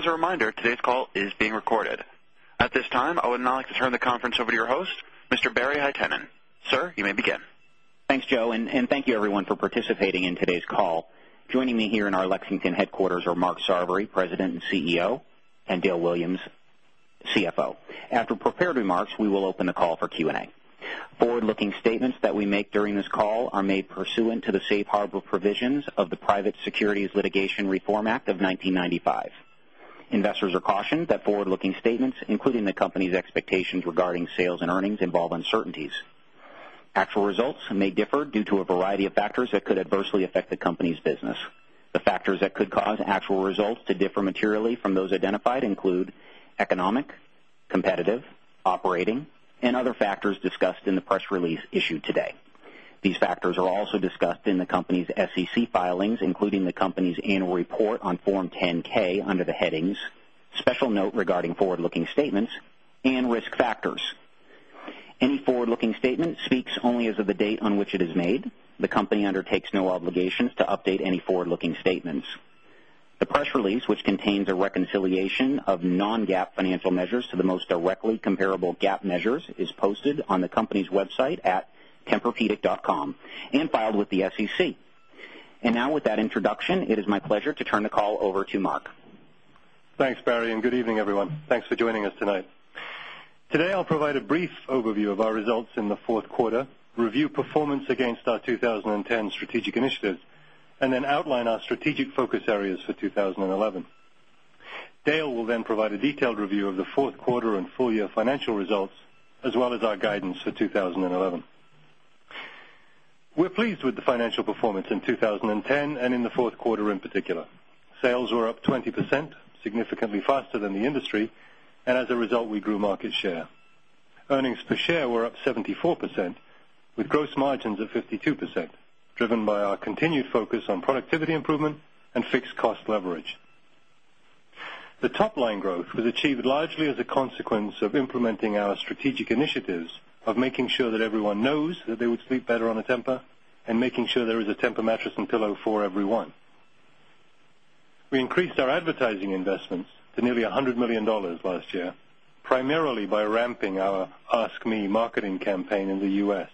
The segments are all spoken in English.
As a reminder, today's call is being recorded. At this time, I would now like to turn the conference over to your host, Mr. Barry Haitenin. Sir, you may begin. Thanks, Joe, and thank you, everyone, for participating in today's call. Joining me here in our Lexington headquarters are Mark Sarberry, President and CEO and Dale Williams, CFO. After prepared remarks, we will open the call for Q and A. Forward looking statements that we make during this call are made pursuant to the Safe Harbor provisions of the Private Securities Litigation Reform Act of 1995. Investors are cautioned that forward looking statements, including the company's expectations regarding sales and earnings, involve uncertainties. Actual results regarding sales and earnings, involve uncertainties. Actual results may differ due to a variety of factors that could adversely affect the company's business. The factors that could cause actual results to differ materially from those identified include economic, competitive, operating and other factors discussed in the press release issued today. These factors are also discussed in the company's SEC filings, including the company's annual report on Form 10 ks under the headings special note regarding forward looking Statements and Risk Factors. Any forward looking statement speaks only as of the date on which it is made. The company undertakes no obligations to update any forward looking statements. The press release, which contains a reconciliation of non GAAP financial measures to the most directly comparable GAAP measures, is posted on the company's website at tempurpedic.com and filed with the SEC. And now with that introduction, it is my pleasure to turn the call over to Mark. Thanks, Barry, and good evening, everyone. Thanks for joining us tonight. Today, I'll provide a brief overview of our results in the Q4, review performance against our 2010 strategic initiatives and then outline our strategic focus areas for 2011. Dale will then provide a detailed review of the Q4 and full year financial results as well as our guidance for 2011. We're pleased with the financial performance in 2010 and in the Q4 in particular. Sales were up 20%, percent, significantly faster than the industry and as a result, we grew market share. Earnings per share were up 74% with gross margins of 52%, driven by our continued focus on productivity improvement and fixed cost leverage. The top line growth was achieved largely as a consequence of implementing our strategic initiatives of making sure that everyone knows that they would sleep better on a Tempur and making sure there is a Tempur mattress and pillow for everyone. We increased our advertising investments to nearly $100,000,000 last year, primarily by ramping our Ask Me marketing campaign in the U. S.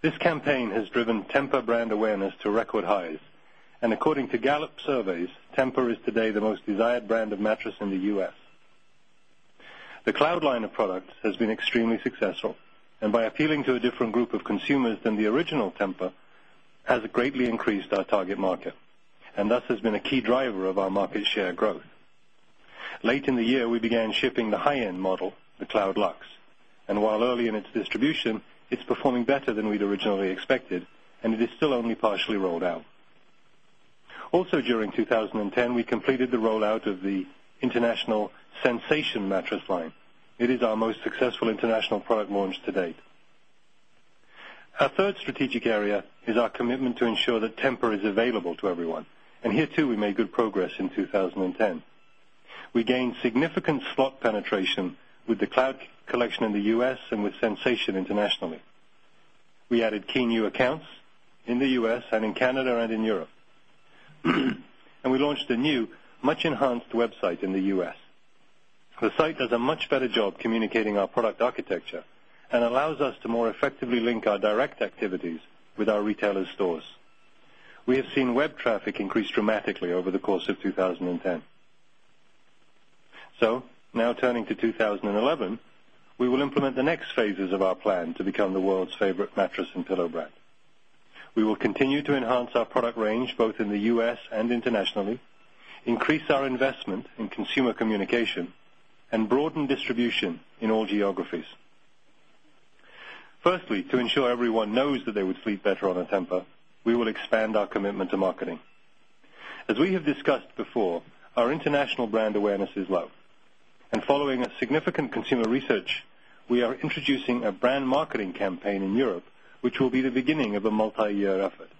This campaign has driven Tempur brand awareness to record highs. And according to Gallup surveys, Tempur is today the most desired brand of mattress in the U. S. The cloud line of products has been extremely successful and by appealing to a different group of consumers than the original Tempur has greatly increased our target market and thus has been a key driver of our market share growth. Late in the year, we began shipping the high end model, the Cloud Luxe. And while early in its distribution, it's performing better than we'd originally expected and it is still only partially rolled out. Also during 2010, we completed the rollout of the International Sensation mattress line. It is our most successful international product launch to date. Our 3rd strategic area is our commitment to ensure that Tempur is available to everyone and here too we made good progress in 2010. We gained significant slot penetration with the cloud collection in the U. S. And with Sensation internationally. We added key new accounts in the U. S. And in Canada and in Europe. And we launched a new much enhanced site in the U. S. The site does a much better job communicating our product architecture and allows us to more effectively link our direct activities with our retailer stores. We have seen web traffic increase dramatically over the course of 2010. So now turning to 2011, we will implement the next phases of our plan to become the world's favorite mattress and pillow brand. We will continue to enhance our product range both in the U. S. And internationally, increase our investment in consumer communication and broaden distribution in all geographies. Firstly, to ensure everyone knows that they would sleep better on Atempa, we will expand our commitment to marketing. As we have discussed before, our international brand awareness is low and following a significant consumer research, we are introducing a brand marketing campaign in Europe, which will be the beginning of a multiyear effort.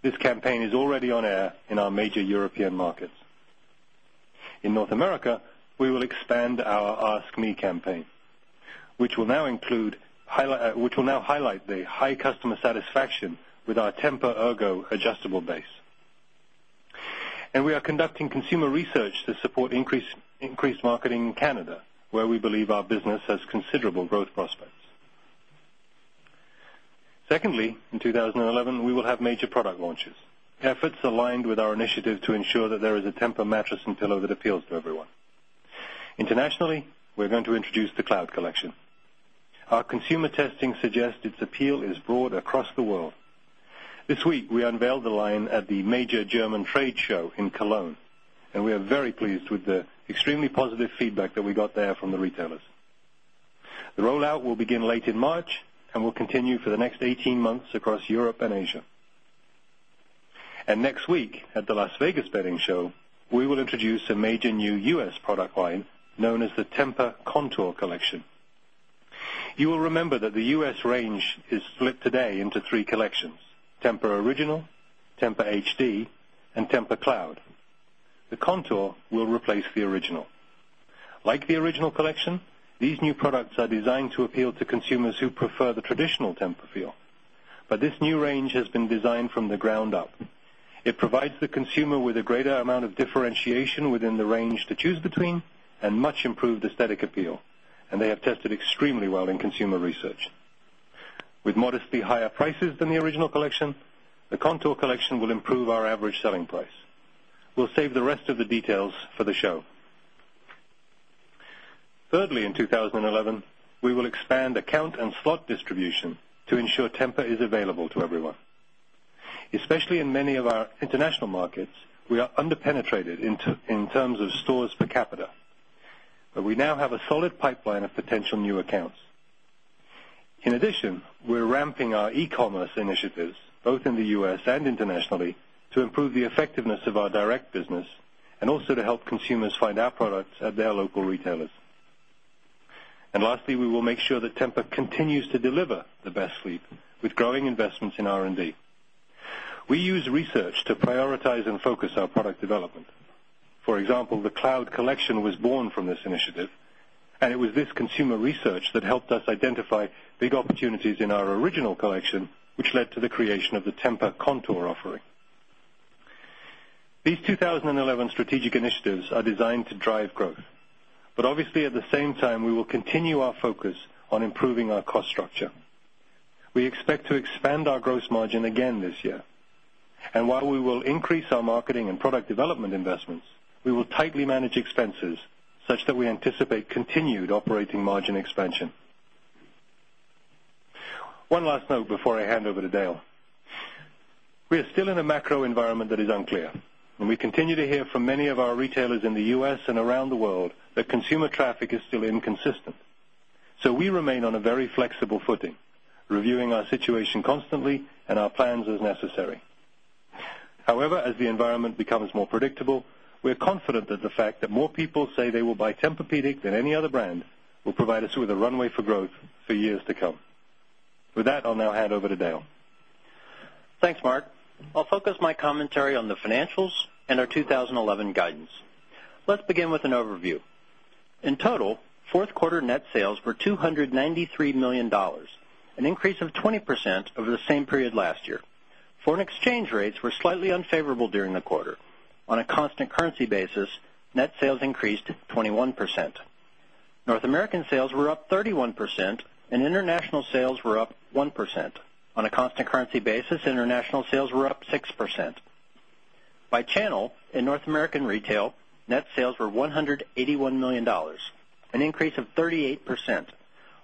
This campaign is already on air in our major European markets. In North America, we will expand our Ask Me campaign, which will now highlight the high customer satisfaction with our Tempur Ergo Adjustable Base. And we are conducting consumer research to support increased marketing in Canada, where we believe our business has considerable growth prospects. Secondly, in 2011, we will have major product launches, efforts aligned with our initiative to ensure that there is a Tempur mattress and pillow that appeals to everyone. Internationally, we're going to introduce the cloud collection. Our consumer testing suggests its appeal is broad across the world. This week, we unveiled the line at the major German trade show in Cologne and we are very pleased with extremely positive feedback that we got there from the retailers. The rollout will begin late in March and will continue for the next 18 months across Europe and Asia. And next week, at the Las Vegas Bedding Show, we will introduce a major new U. S. Product line known as the Tempur Contour collection. You will remember that the U. S. Range is split today into 3 collections: Tempur Original, Tempur HD and Tempur Cloud. The Contour will replace the original. Like the original collection, these new products are designed to appeal to consumers who prefer the traditional Tempur feel, but this new range has been designed from the ground up. It provides the consumer with a greater amount of differentiation within the range to choose between and much improved aesthetic appeal and they have tested extremely well in consumer research. With modestly higher prices than the original collection, the Kontoor collection will improve our average selling price. We'll save the rest of the details for the show. Thirdly, in 2011, we will expand account and slot distribution to ensure Tempa is available to everyone. Especially in many of our international markets, we are underpenetrated in terms of stores per capita, but we now have a solid pipeline of potential new accounts. In addition, we're ramping our e commerce initiatives both in the U. S. And internationally to improve the effectiveness of our direct business and also to help consumers find our products at their local retailers. And lastly, we will make sure that Tempur continues to deliver the best sleep with growing investments in R and D. We use research to prioritize and focus our product development. For example, the cloud collection was born from this initiative and it was this consumer research that helped us identify big opportunities in our original collection, which led to the creation of the Tempur Contour offering. These 2011 strategic initiatives are designed to drive growth. But obviously, at the same time, we will continue our focus on improving our cost structure. We expect to expand our gross margin again this year. And while we will increase our marketing and product development investments, we will tightly manage expenses such that we anticipate continued operating margin expansion. One last note before I hand over to Dale. We are still in a macro environment that is unclear and we continue to hear from many of our retailers in the U. S. And around the world that consumer traffic is still inconsistent. So we remain on a very flexible footing, reviewing our situation constantly and our plans as necessary. However, as the environment becomes more predictable, we are confident that the fact that more people say they will buy Tempur Pedic than any other brand will provide us with a runway for growth for years to come. With that, I'll now hand over to Dale. Thanks, Mark. I'll focus my commentary on the financials and our 2011 guidance. Let's begin with an overview. In total, 4th quarter net sales were $293,000,000 an increase of 20% over the same period last year. Foreign exchange rates were slightly unfavorable during the quarter. On a constant currency basis, net sales increased 21%. North American sales were up 31% and international sales were up 1%. On a constant currency basis, international sales were up 6%. By channel, in North American retail, net sales were $181,000,000 an increase of 38%.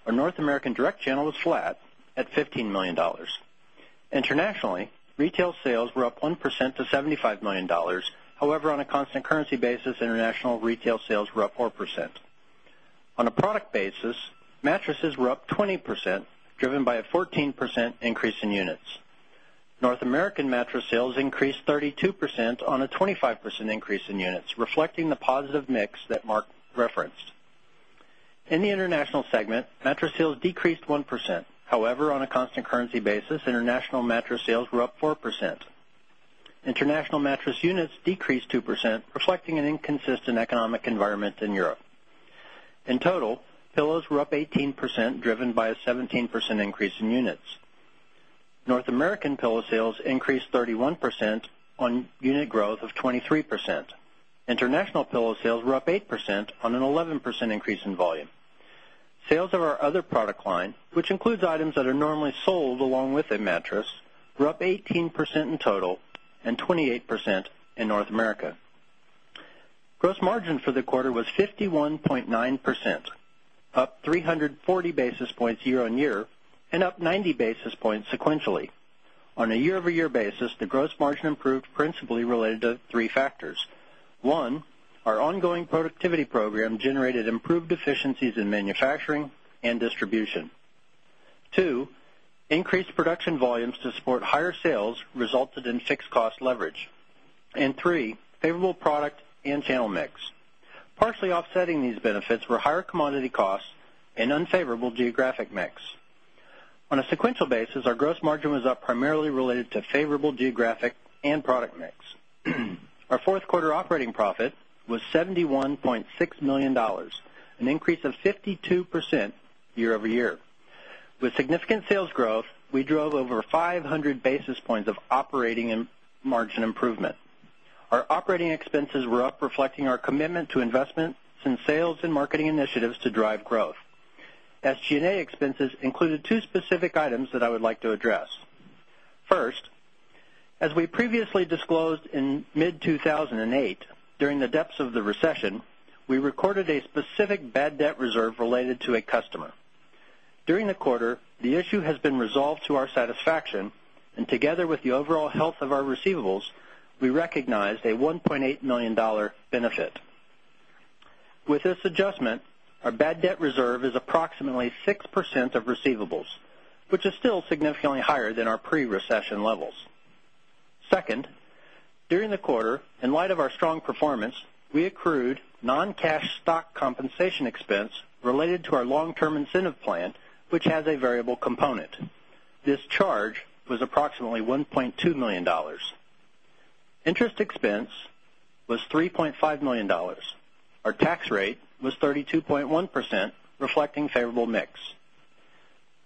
Our North American direct channel was flat at $15,000,000 Internationally, retail sales were up 1% to $75,000,000 However, on a constant currency basis, international retail sales were up 4%. On a product basis, mattresses were up 20%, driven by a 14% increase in units. North American mattress sales increased 32% on a 25% increase in units, reflecting the positive mix that Mark referenced. In the international segment, mattress sales decreased 1%. However, on a constant currency basis, international mattress sales were up 4%. International mattress units decreased 2%, reflecting an inconsistent economic environment in Europe. In total, pillows were up 18%, driven by a 17% increase in units. North American pillow sales increased 31% on unit growth of 23%. International pillow sales were up 8% on an 11% increase in volume. Sales of our other product line, which includes items that are normally sold along with a mattress, were up 18% in total and 28% in North America. Gross margin for the quarter was 50 1.9%, up 3.40 basis points year on year and up 90 basis points sequentially. On a year over year basis, the gross margin improved principally related to 3 factors. 1, our ongoing productivity program generated improved efficiencies in manufacturing and distribution 2, increased production volumes to support higher sales resulted in fixed cost leverage and 3, and 3, favorable product and channel mix. Partially offsetting these benefits were higher commodity costs and unfavorable geographic mix. On a sequential basis, our gross margin was up primarily related to favorable geographic and product mix. Quarter operating profit was $71,600,000 an increase of 52% year over year. With significant sales growth, we drove over 500 basis points of operating margin improvement. Our operating expenses were up reflecting our commitment to investments in sales and marketing initiatives to drive growth. SG and A expenses included 2 specific items that I would like to address. First, as previously disclosed in mid-two 1000 and 8, during the depths of the recession, we recorded a specific bad debt reserve related to a customer. During the quarter, the issue has been resolved to our During the quarter, the issue has been resolved to our satisfaction and together with the overall health of our receivables, we recognized a $1,800,000 benefit. With this adjustment, our bad debt reserve is approximately 6% of receivables, which is still significantly higher than our pre recession levels. 2nd, during the quarter, in light of our strong performance, we accrued non cash stock compensation expense related to our long term incentive plan, which has a variable component. This charge was approximately $1,200,000 Interest expense was $3,500,000 Our tax rate was 32.1%, reflecting favorable mix.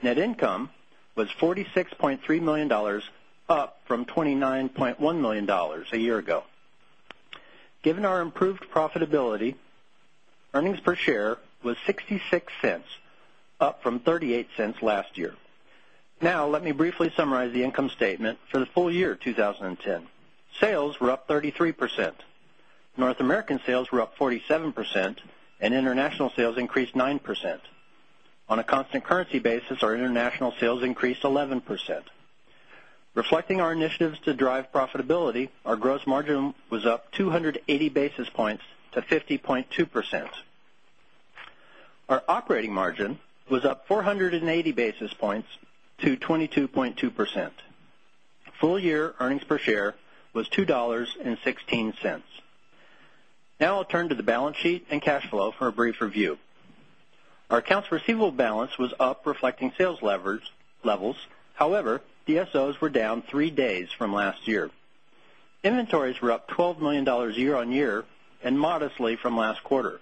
Net income was $46,300,000 up from $29,100,000 a year ago. Given our improved profitability, earnings per share was $0.66 up from $0.38 last year. Now let me briefly summarize the income statement for the full year 2010. Sales were up 33%. North American sales were up 47 percent and international sales increased 9%. On a constant currency basis, our international sales increased 11%. Reflecting our initiatives to drive profitability, our gross margin was up 2 80 basis points to 50.2 percent. Our operating margin was up 480 basis points to 22.2%. Full year earnings per share was $2.16 Now I'll turn to the balance sheet and cash flow for a brief review. Our accounts receivable balance was up reflecting sales levels. However, DSOs were down 3 days from last year. Inventories were up $12,000,000 year on year and modestly from last quarter.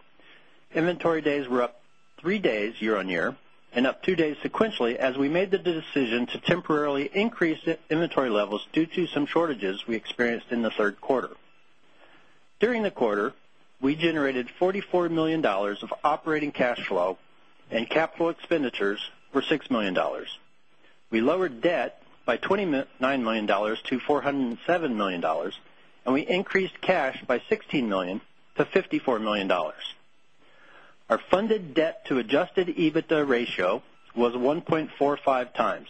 Inventory days were up 3 days year on year and up 2 days sequentially as we made the decision to temporarily increase inventory levels due to some shortages we experienced in the Q3. During the quarter, we generated $44,000,000 of operating cash flow and capital expenditures were $6,000,000 We lowered debt by $29,000,000 to $407,000,000 and we increased cash by $16,000,000 to $54,000,000 Our funded debt to adjusted EBITDA ratio was 1.45 times,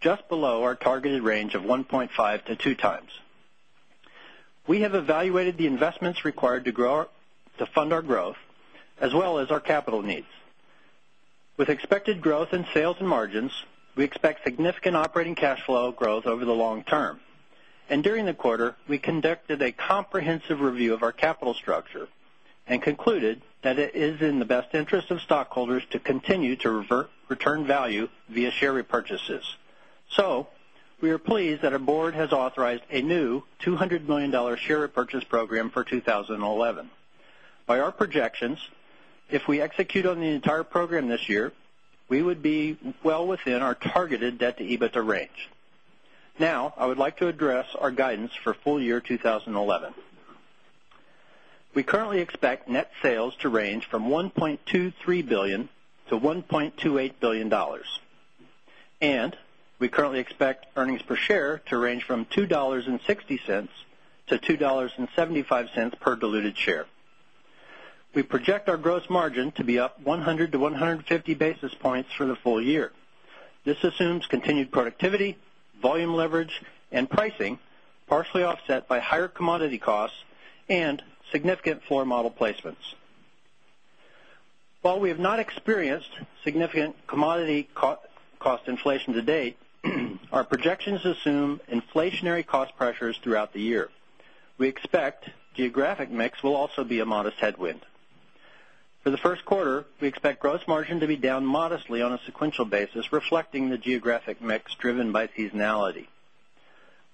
just below our targeted range of 1.5 to 2 times. We have evaluated the investments required to fund our growth as well as our capital needs. With expected growth in sales and margins, we expect significant operating cash flow growth over the long term. And during the quarter, we conducted a comprehensive review of our capital structure and concluded that it is in the best interest of stockholders to continue to return value via share repurchases. So we are pleased that our Board has authorized a new $200,000,000 share repurchase program for 2011. By our projections, if we execute on the entire program this year, we would be well within our targeted debt to EBITDA range. Now I would like to address our guidance for full year 2011. We currently expect net sales to range from $1,230,000,000 to 1 $280,000,000 and we currently expect earnings per share to range from $2.60 to $2.75 per diluted share. We project our gross margin to be up 100 to 1 150 basis points for the full year. This assumes continued productivity, volume leverage and pricing, partially offset by higher commodity costs and significant floor model placements. While we have not experienced While we have not experienced significant commodity cost inflation to date, our projections assume inflationary cost pressures throughout the year. We expect geographic mix will also be a modest headwind. For the Q1, we expect gross margin to be down modestly on a sequential basis, reflecting the geographic mix driven by seasonality.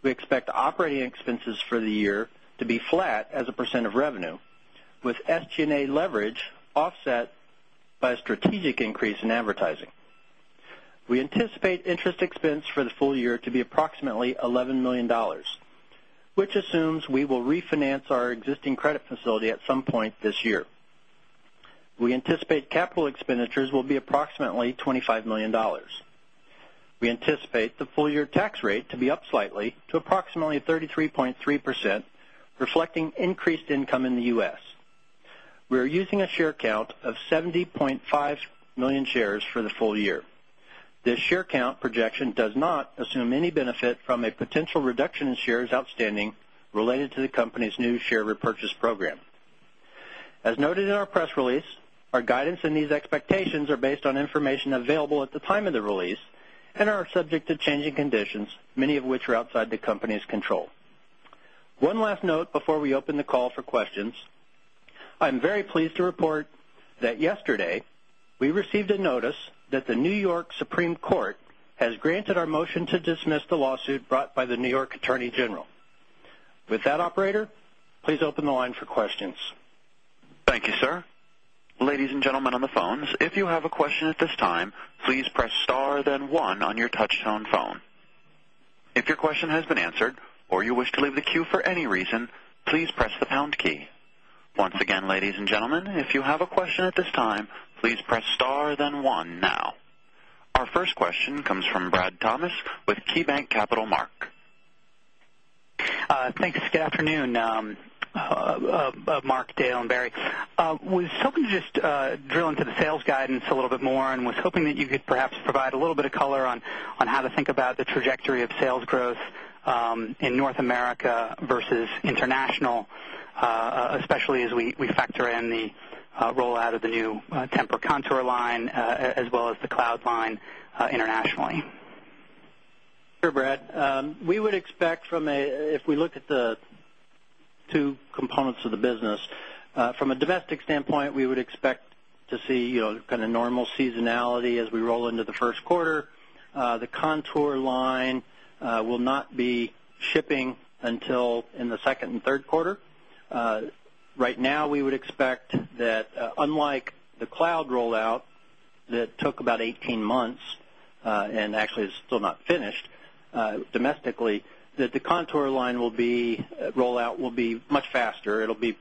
We expect operating expenses for the year to be flat as a percent of revenue with SG and A leverage offset by offset by a strategic increase in advertising. We anticipate interest expense for the full year to be approximately $11,000,000 which assumes we will refinance our existing credit facility at some point this year. We anticipate capital expenditures will be approximately $25,000,000 We anticipate the full year tax rate to be up slightly to approximately 33.3%, reflecting increased income in the U. S. We are using a share count of 70,500,000 shares for the full year. This share count projection does not assume any benefit from a potential reduction in shares outstanding related to the company's new share repurchase program. As noted in our press release, our guidance and these expectations are based on information available at the time of the release and are subject to changing conditions, many of which are outside the company's control. One last note before we open the call for questions. I'm very pleased to report that yesterday, we received a notice that the New York Supreme Court has granted our motion to dismiss the lawsuit brought by the New York Attorney General. With that operator, please open the line for questions. Thank you, sir. Our first question comes from Brad Thomas with KeyBanc Capital I was hoping to just drill into the sales guidance a little bit more and was hoping that you could perhaps provide a little bit of color on how to think about the trajectory of sales growth in North America versus international, especially as we factor in the rollout of the new Tempur Contour line as well as the Cloud line internationally? Sure, Brad. We would expect from a if we look at the 2 components of the business, from a domestic standpoint, we would expect to see kind of normal seasonality as we roll into the Q1. The Kontoor line will not be shipping until in the second Q3. Right now, we would expect that unlike the cloud rollout that took about 18 months and actually is still not finished domestically that the Kontoor line will be rollout will be much faster. It will be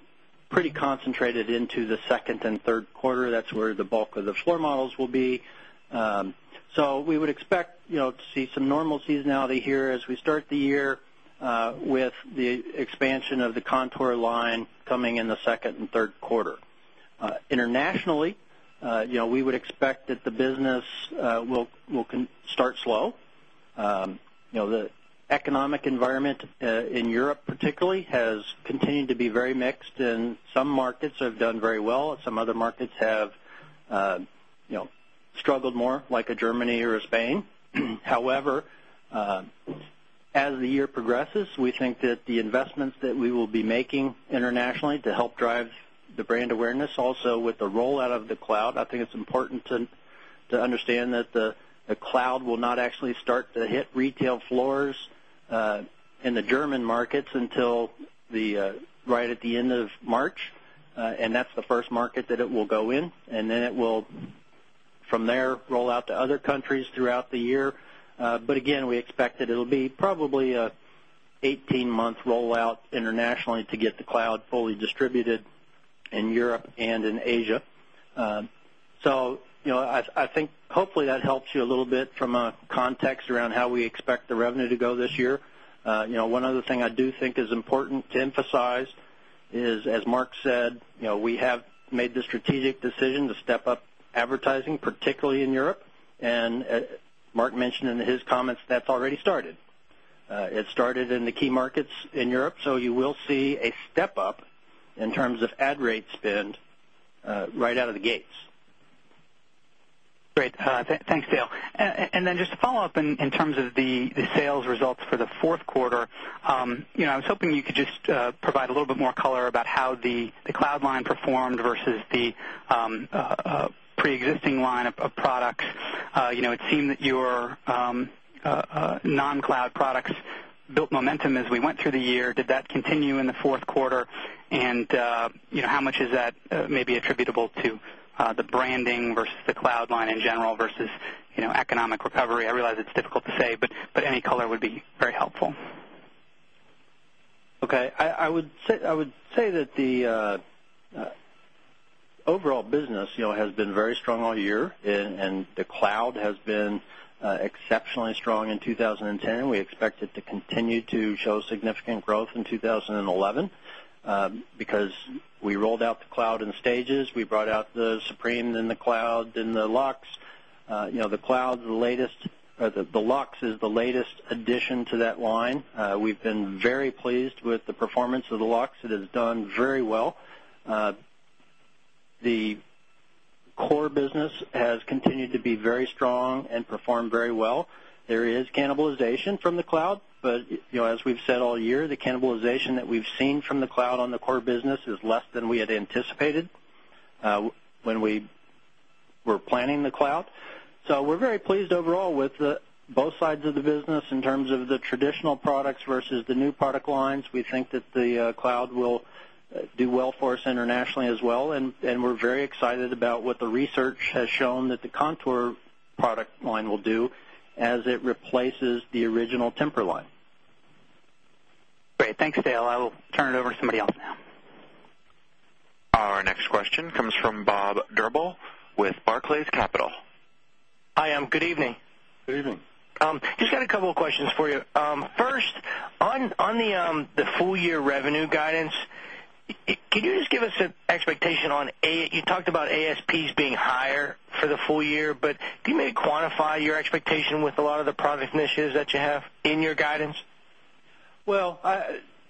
pretty concentrated into the second and third quarter. That's where the bulk of the floor models will be. So we would expect to see some normal seasonality here as we start the year with the expansion of the Kontoor line coming in the second and third quarter. Internationally, we would expect that the economic environment in Europe particularly has continued to be very mixed and some markets have done very well and some other markets have struggled more like a Germany or Spain. However, as the year progresses, we think that the investments that we will be making internationally to help drive the brand awareness also with the rollout of the cloud, I think it's important to understand that the cloud will not actually start to hit retail floors in the German markets until the right at the end of March. And that's the first market that it will go in. And then it will from there roll out to other countries throughout the year. But again, we expect that it will be probably a 18 month rollout internationally to get the cloud fully distributed in Europe and in Asia. So, as Mark said, we have made the strategic decision to step up advertising, particularly in Europe. And Mark mentioned in his comments that's already started. It started in the key markets in Europe. So you will see a step up in terms of ad rate spend right out of the gates. Great. Thanks, Dale. And then just a follow-up in terms of the sales results for the Q4. I was hoping you could just provide a little bit more color about how the cloud line performed versus the pre existing line of products. It seemed that your non cloud products built momentum as we went through the year. Did that continue in the Q4? And how much is that maybe attributable to the branding versus the cloud line in general versus economic recovery? I realize it's difficult to say, but any color would be very helpful. Okay. I would say that the overall business has been very strong all year and the cloud has been exceptionally strong in 2010. We 20 10. We expect it to continue to show significant growth in 2011 because we rolled out the cloud in stages. We brought out the Supreme, then the cloud, then the Lux. The cloud is the latest the Lux is the latest addition to that line. We've been very pleased with the performance of the Luxe. It has done very well. The core business has continued to be very strong and performed very well. There is cannibalization from the cloud. But as we've said all year, the cannibalization that we've seen from the cloud on the core business is less than we had anticipated when we were planning the cloud. So we're very pleased overall with both sides of the business in terms of the traditional products versus the new product lines. We think that the cloud will do well for us internationally as well. And we're very excited about what the research has shown that the Kontoor product line will do as it replaces original Tempur line. Great. Thanks, Dale. I will turn it over to somebody else now. Our next question comes from Bob Drbul with Barclays Capital. Hi, good evening. Good evening. Just got a couple of questions for you. First, on the full year revenue guidance, could you just give us an expectation on you talked about ASPs being higher for the full year, but can you maybe quantify your expectation with a lot of the product initiatives that you have in your guidance? Well,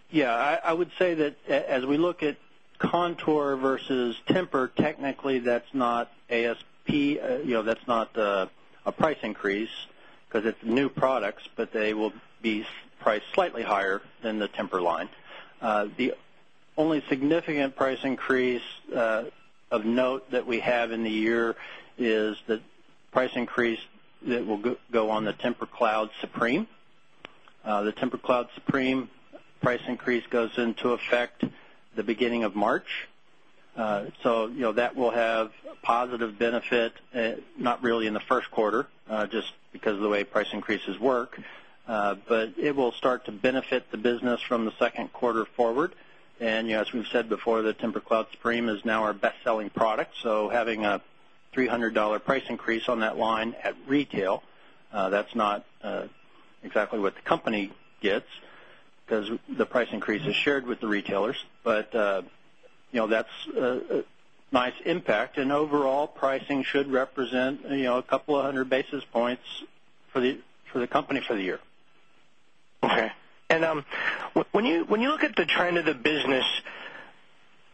yes, I would say that as we look at Kontoor versus Tempur, technically that's not ASP, that's not a price increase because it's new on the Tempur Cloud Supreme. The Tempur Cloud Supreme. The Tempur Cloud Supreme price increase goes into effect the beginning of March. So that will have a positive benefit not really in the Q1, just because of the way price increases work, but it will start to benefit the business from the Q2 forward. And as we've said before, the Tempur Cloud Supreme is now our best selling product. So having a $300 price increase on that line at retail, that's not exactly what the company gets because the price increase is shared with the retailers. But that's a nice impact. And overall pricing should represent a couple of 100 basis points for the company for the year. Okay. And when you look at the trend of the business,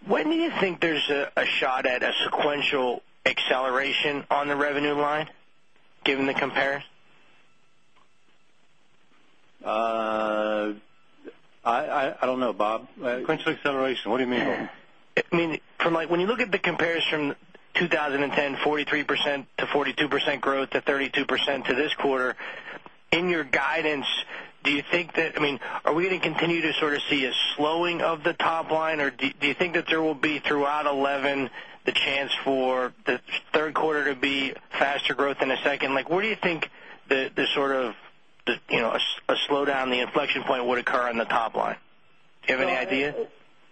when do you think there's a shot at a sequential acceleration on the revenue line given the compare? I don't know, Bob. Sequential acceleration, what do you mean? I mean, from like when you look at the comparison from 2010, 43% to 42% growth to 32% to this quarter, in your guidance, do you think that I mean, are we going to continue to sort of see a slowing of the top line? Or do you think that there will be throughout 2011 the chance for the Q3 to be faster growth in the second? Like where do you think the sort of a slowdown, the inflection point would occur on the top line? Do you have any idea?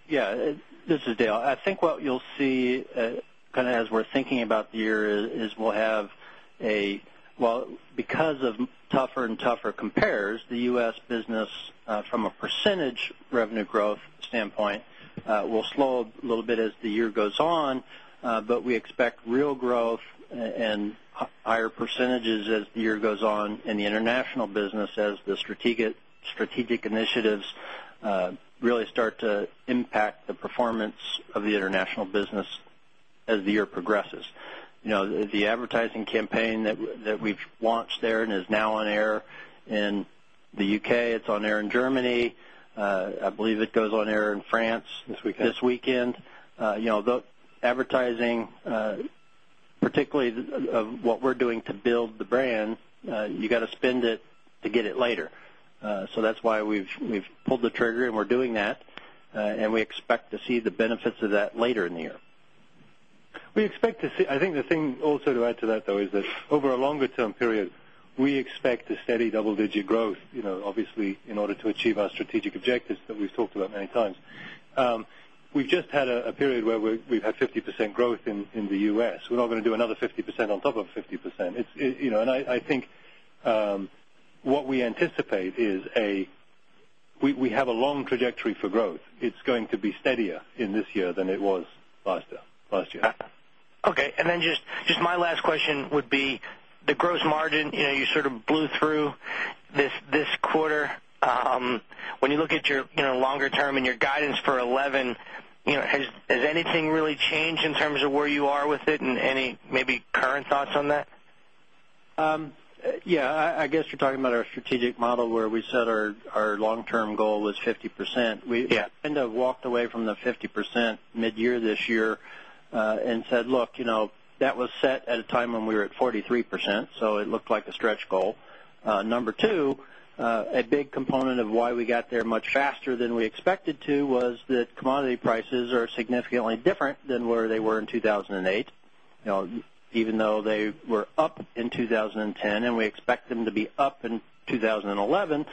Yes. This is Dale. I think what you'll see kind of as we're thinking about the year is we'll have a well, because of tougher and tougher compares, the U. S. Business from a percentage revenue growth standpoint will slow a little bit as the year goes on, but we expect real growth and higher percentages as the year goes on in the international business as the strategic initiatives really start to impact the performance of the international business as the year progresses. The advertising campaign that we've launched there and is now on air in the UK, it's on air in Germany, I believe it goes on air in France this weekend. The advertising, particularly what we're doing to build the brand, you got to spend it to get it later. So that's why we've pulled the trigger and we're doing that and we expect to see the benefits of that later the year. We expect to see I think the thing also to add to that though is that over a longer term period, we expect a steady double digit growth obviously in order to achieve our strategic objectives that we've talked about many times. We've just had a period where we've had 50% growth in the U. S. We're not going to do another 50% on top of 50%. And I think what we anticipate is a we have a long trajectory for growth. It's going to be steadier in this year than it was last year. Okay. And then just my last question would be the gross margin, you sort of blew through this quarter. When you look at your longer term and your guidance for 2011, has anything really changed in terms of where you are with it and any maybe current thoughts on that? Yes. I guess you're talking about our strategic model where we set our long term goal was 50%. We kind of walked away from the 50% mid year this year and said, look, that was set at a time when we were at 43%. So it looked like a stretch goal. Number 2, a big component of why we got there much faster than we expected to was that commodity prices are significantly different than where they were in 2,008. Even though they were up in 2010 and we expect them to be up in 2011,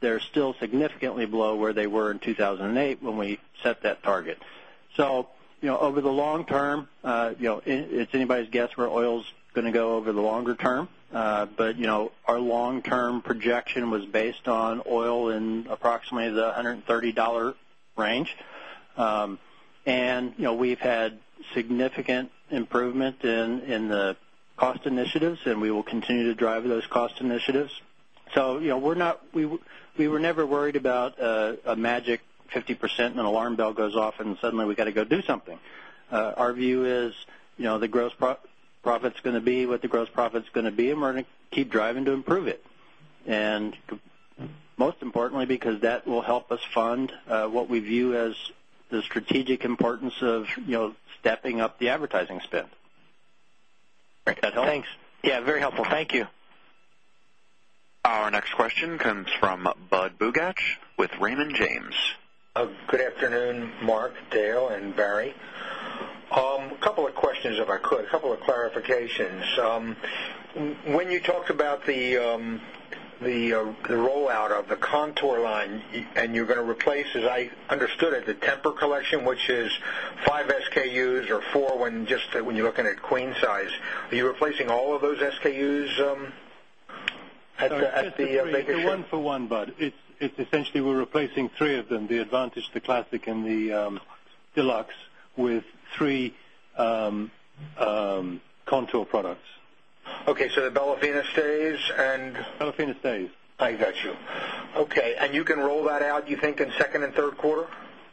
they're still significantly below where they were in 2,008 when we set that target. So over the long term, it's anybody's guess where oil is going to go over the longer term, but our long term projection was based on oil in approximately the $130 range. And we've had significant improvement in the cost initiatives and we will continue to drive those cost initiatives. So we're we were never worried about a magic 50% and alarm bell goes off and suddenly we got to go do something. Our view is the gross profit is going to be what the gross profit is going to be and we're going to keep driving to improve it. And most importantly, because that will help us fund what we view as the strategic importance of stepping up the advertising spend. Thanks. Yes, very helpful. Thank you. Our next question comes from Budd Bugatch with Raymond James. Good afternoon, Mark, Dale and Barry. A couple of questions, if I could, a couple of clarifications. When you talked about the rollout of the Kontoor line and you're going to replace as I understood it, the Tempur collection, which is 5 SKUs or 4 when just when you're looking at queen-size, are you replacing all of those SKUs at the No, it's just one for 1, Budd. It's essentially we're replacing 3 of them, the Advantage, the Classic and the Okay. So the Bellafina stays and Bellafina stays. I got you. Okay. And you can roll that out you think in 2nd Q3,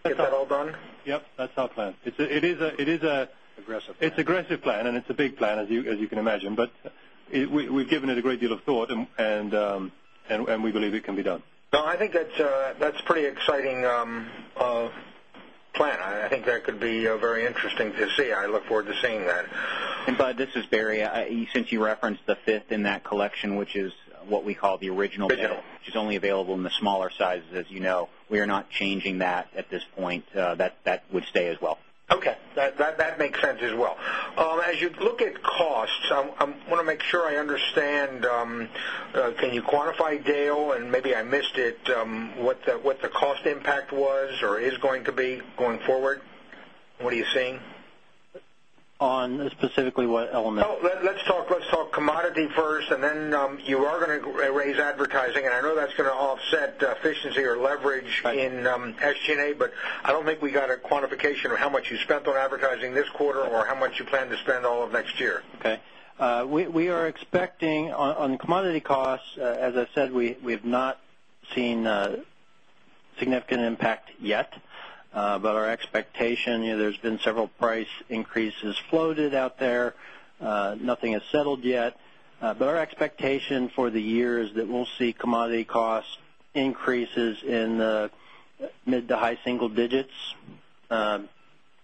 get that all done? Yes. That's our plan. It is a Aggressive plan. It's aggressive plan and it's a big plan as you can imagine. But we've given it a great deal of thought and we believe it can be done. No, I think that's pretty exciting plan. I think that could be very interesting to see. I look forward to seeing that. And Budd, this is Barry. Since you referenced the 5th in that collection, which is what we call the original sale, which is only available in the smaller sizes as you know, we are not changing that at this point. That would stay as well. Okay. That makes sense as well. As you look at costs, I want to make I understand, can you quantify Dale and maybe I missed it, what the cost impact was or is going to be going forward? What are you seeing? On specifically what elements? Let's talk commodity first and then you are going to raise advertising and I know that's going to offset efficiency or leverage in SG and A, but I don't think we got a quantification of how much you spent on advertising this quarter or how much you plan to spend all of next year? Okay. We are expecting on commodity costs, as I said, we have not seen significant impact yet. But our expectation there's been several price increases floated out there. Nothing has settled yet. But our expectation for the year is that we'll see commodity cost increases in the mid to high single digits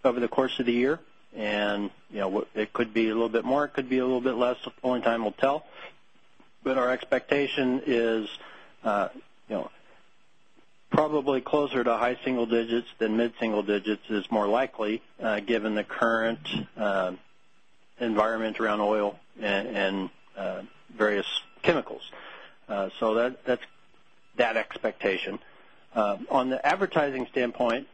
over the course of the year. And it could be a little bit more, it could be a little bit less, only time will tell. But our expectation is probably closer to high single digits than mid single digits is more likely given the current environment around oil and various chemicals. So that's that expectation. On the advertising standpoint,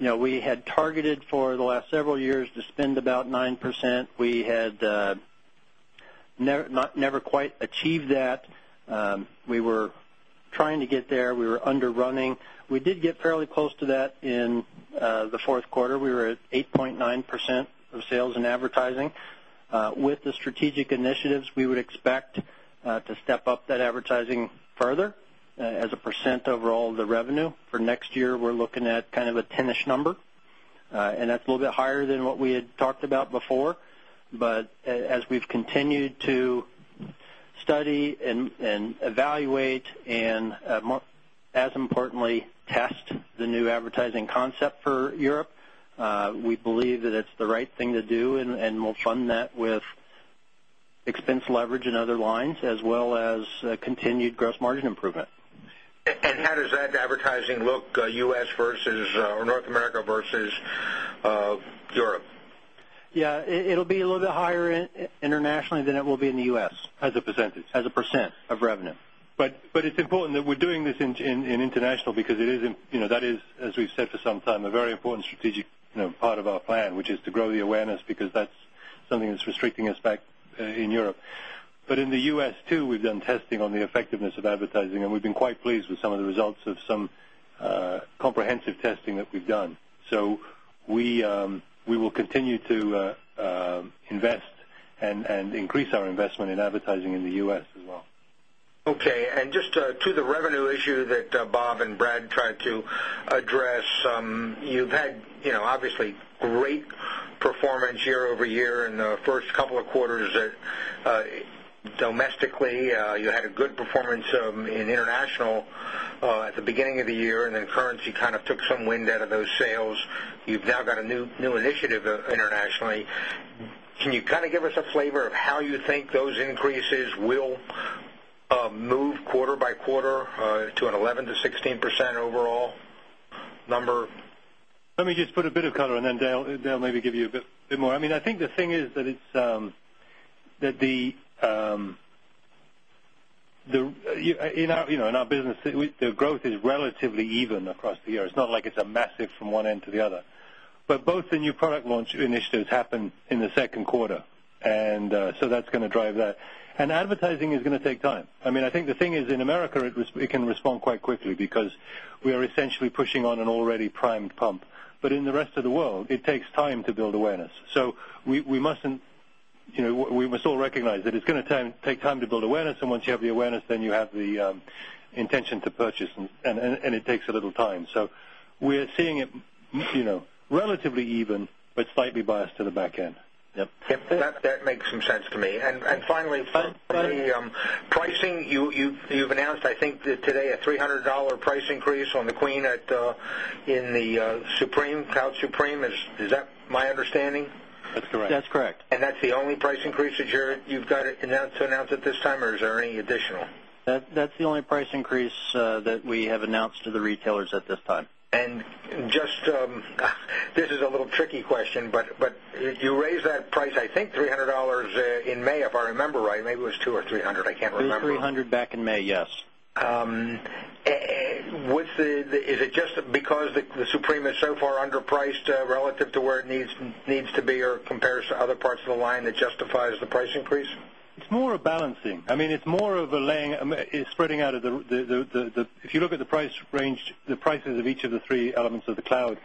we had targeted for the last several years to spend about 9%. We had never quite achieved that. We were trying to get there. We were underrunning. We did get fairly close to that in the Q4. We were at 8 point percent of sales in advertising. With the strategic initiatives, we would expect to step up that advertising further as a percent overall of the revenue. For next year, we're looking at kind of a a number and that's a little bit higher than what we had talked about before. But as we've continued to study and evaluate and as importantly test the new advertising concept for Europe, we believe that it's the right thing to advertising concept for Europe. We believe that it's the right thing to do and we'll fund that with expense leverage in other lines as well as continued gross margin improvement. And how does that advertising look North America versus Europe? Yes. It will be a little bit higher internationally than it will be in the U. S. As a percentage. As a percent of revenue. But it's important that we're doing this in international because it is that is as we've said for some time a very important strategic part of our plan which is to grow the awareness because that's something that's restricting us back in Europe. But in the U. S. Too we've done testing on the effectiveness of advertising and we've been quite pleased with some of the results of some comprehensive testing that we've done. So we will continue to invest and increase our investment in advertising in the U. S. As well. Okay. And just to the revenue issue that Bob and Brad tried to address, you've had obviously great performance year over year in the 1st couple of quarters domestically. You had a good performance in international at the beginning of the year and then currency kind of took some wind out of those sales. You've now got a new initiative internationally. Can you kind of give us a flavor of how you think those increases will move quarter by quarter to an 11% to 16% overall number? Let me just put a bit of color and then Dale maybe give you a bit more. I mean, I think the thing is that the in our business, the growth is relatively even across the year. It's not like it's a massive from one end to the other. But both the new product launch initiatives happen in the second quarter. And so that's going to drive that. And advertising is going to take time. I mean, I think the thing is in America, it can respond quite quickly because we are essentially pushing on an already primed pump. But in the rest of the world, it takes time to build awareness. So we must all recognize that it's going to take time to build awareness. And once you have the awareness, then you have the intention to purchase and it takes a little time. So we are seeing it relatively even, but slightly biased to the back end. Yes. That makes sense. Even, but slightly biased to the back end. That makes some sense to me. And finally, pricing, you've announced I think today a $300 price increase on the Queen in the Supreme, Cloud Supreme. Is that my understanding? That's correct. That my understanding? That's correct. That's correct. And that's the only price increase that you've got to announce at this time or is there any additional? That's the only price increase that we have announced to the retailers at this time. And just this is a little tricky question, but you raised that price I think $300 in May if I remember right, maybe it was $200 or $300 I can't remember. $300 back in May, yes. Is it just because the Supreme is so far underpriced relative to where it needs to be or compares to other parts of the line that justifies the price increase? It's more of a balancing. I mean, it's more of a laying it's spreading out of the if you look at the price range, the prices of each of the three elements of cloud,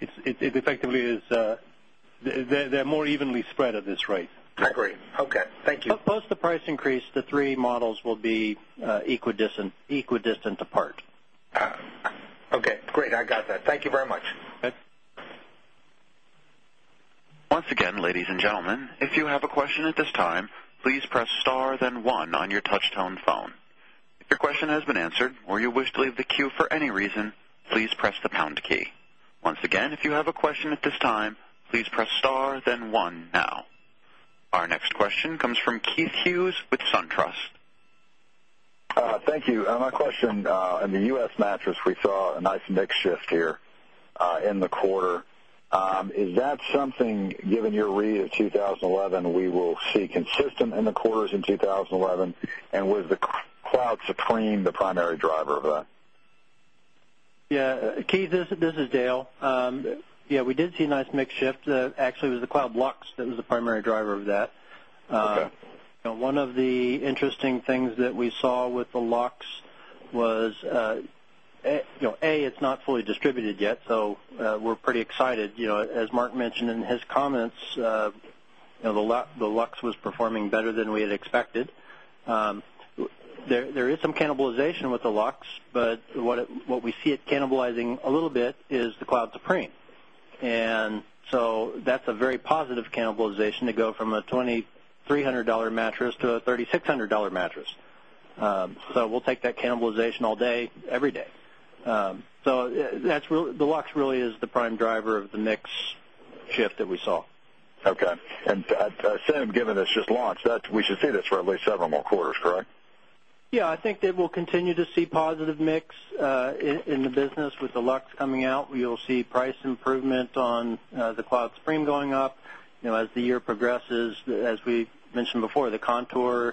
it effectively is they're more evenly spread at this rate. I agree. Okay. Thank you. Post the price increase, the 3 models will be equidistant apart. Our next question comes from Keith Hughes with SunTrust. Thank you. My question, in the U. S. Mattress, we saw a nice mix shift here in the quarter. Is that something given your read of 2011, we will see consistent in the quarters in 2011? And was the Cloud Supreme the primary driver of that? Yes. Keith, this is Dale. Yes, we did see a nice mix shift. Actually, it was the cloud blocks that was the primary driver of that. Okay. One of the interesting things that we saw with the locks was, A, it's not fully distributed yet. So we're pretty excited. As Mark mentioned in his comments, the Luxe was performing better than we had expected. There is some cannibalization with the Luxe, but what we see it a little bit is the Cloud Supreme. And so that's a very positive cannibalization to go from a $2,300 mattress to a $3,600 mattress. So we'll take that cannibalization all day, every day. So that's really the Luxe really is the prime driver of day. So that's really Deluxe really is the prime driver of the mix shift that we saw. Okay. And Sam, given this just launched that we should see this for at least several more quarters, correct? Yes. I think that we'll continue to see positive mix in the business with the Luxe coming out. You'll see price improvement on the Cloud Supreme going up as the year progresses. As we mentioned before, the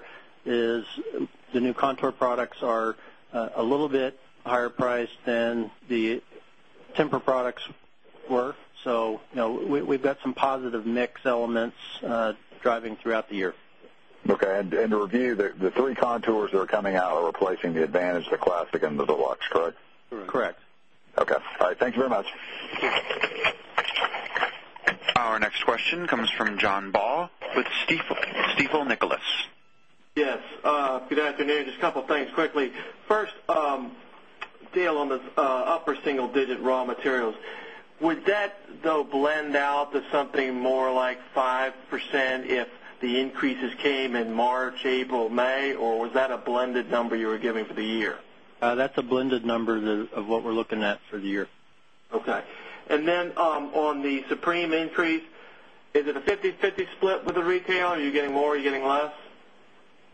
new Contour products are a little bit higher priced than the Tempur products were. So we've got some positive mix elements driving throughout the year. Okay. And to review, the 3 contours that are coming out are replacing Advantage, the Classic and the Deluxe, correct? Correct. Okay. All right. Thank you very much. Our next question comes from John Baugh with Stifel Nicolaus. Yes. Good afternoon. Just a couple of things quickly. First, Dale on the upper single digit raw materials, would that though blend out to something more like 5% if the increases came in March, April, May? Or was that a blended number you were giving for the year? That's a blended number of what we're looking at for the year. Okay. And then on the Supreme increase, is it a fifty-fifty split with the retailer? Are you getting more or are you getting less?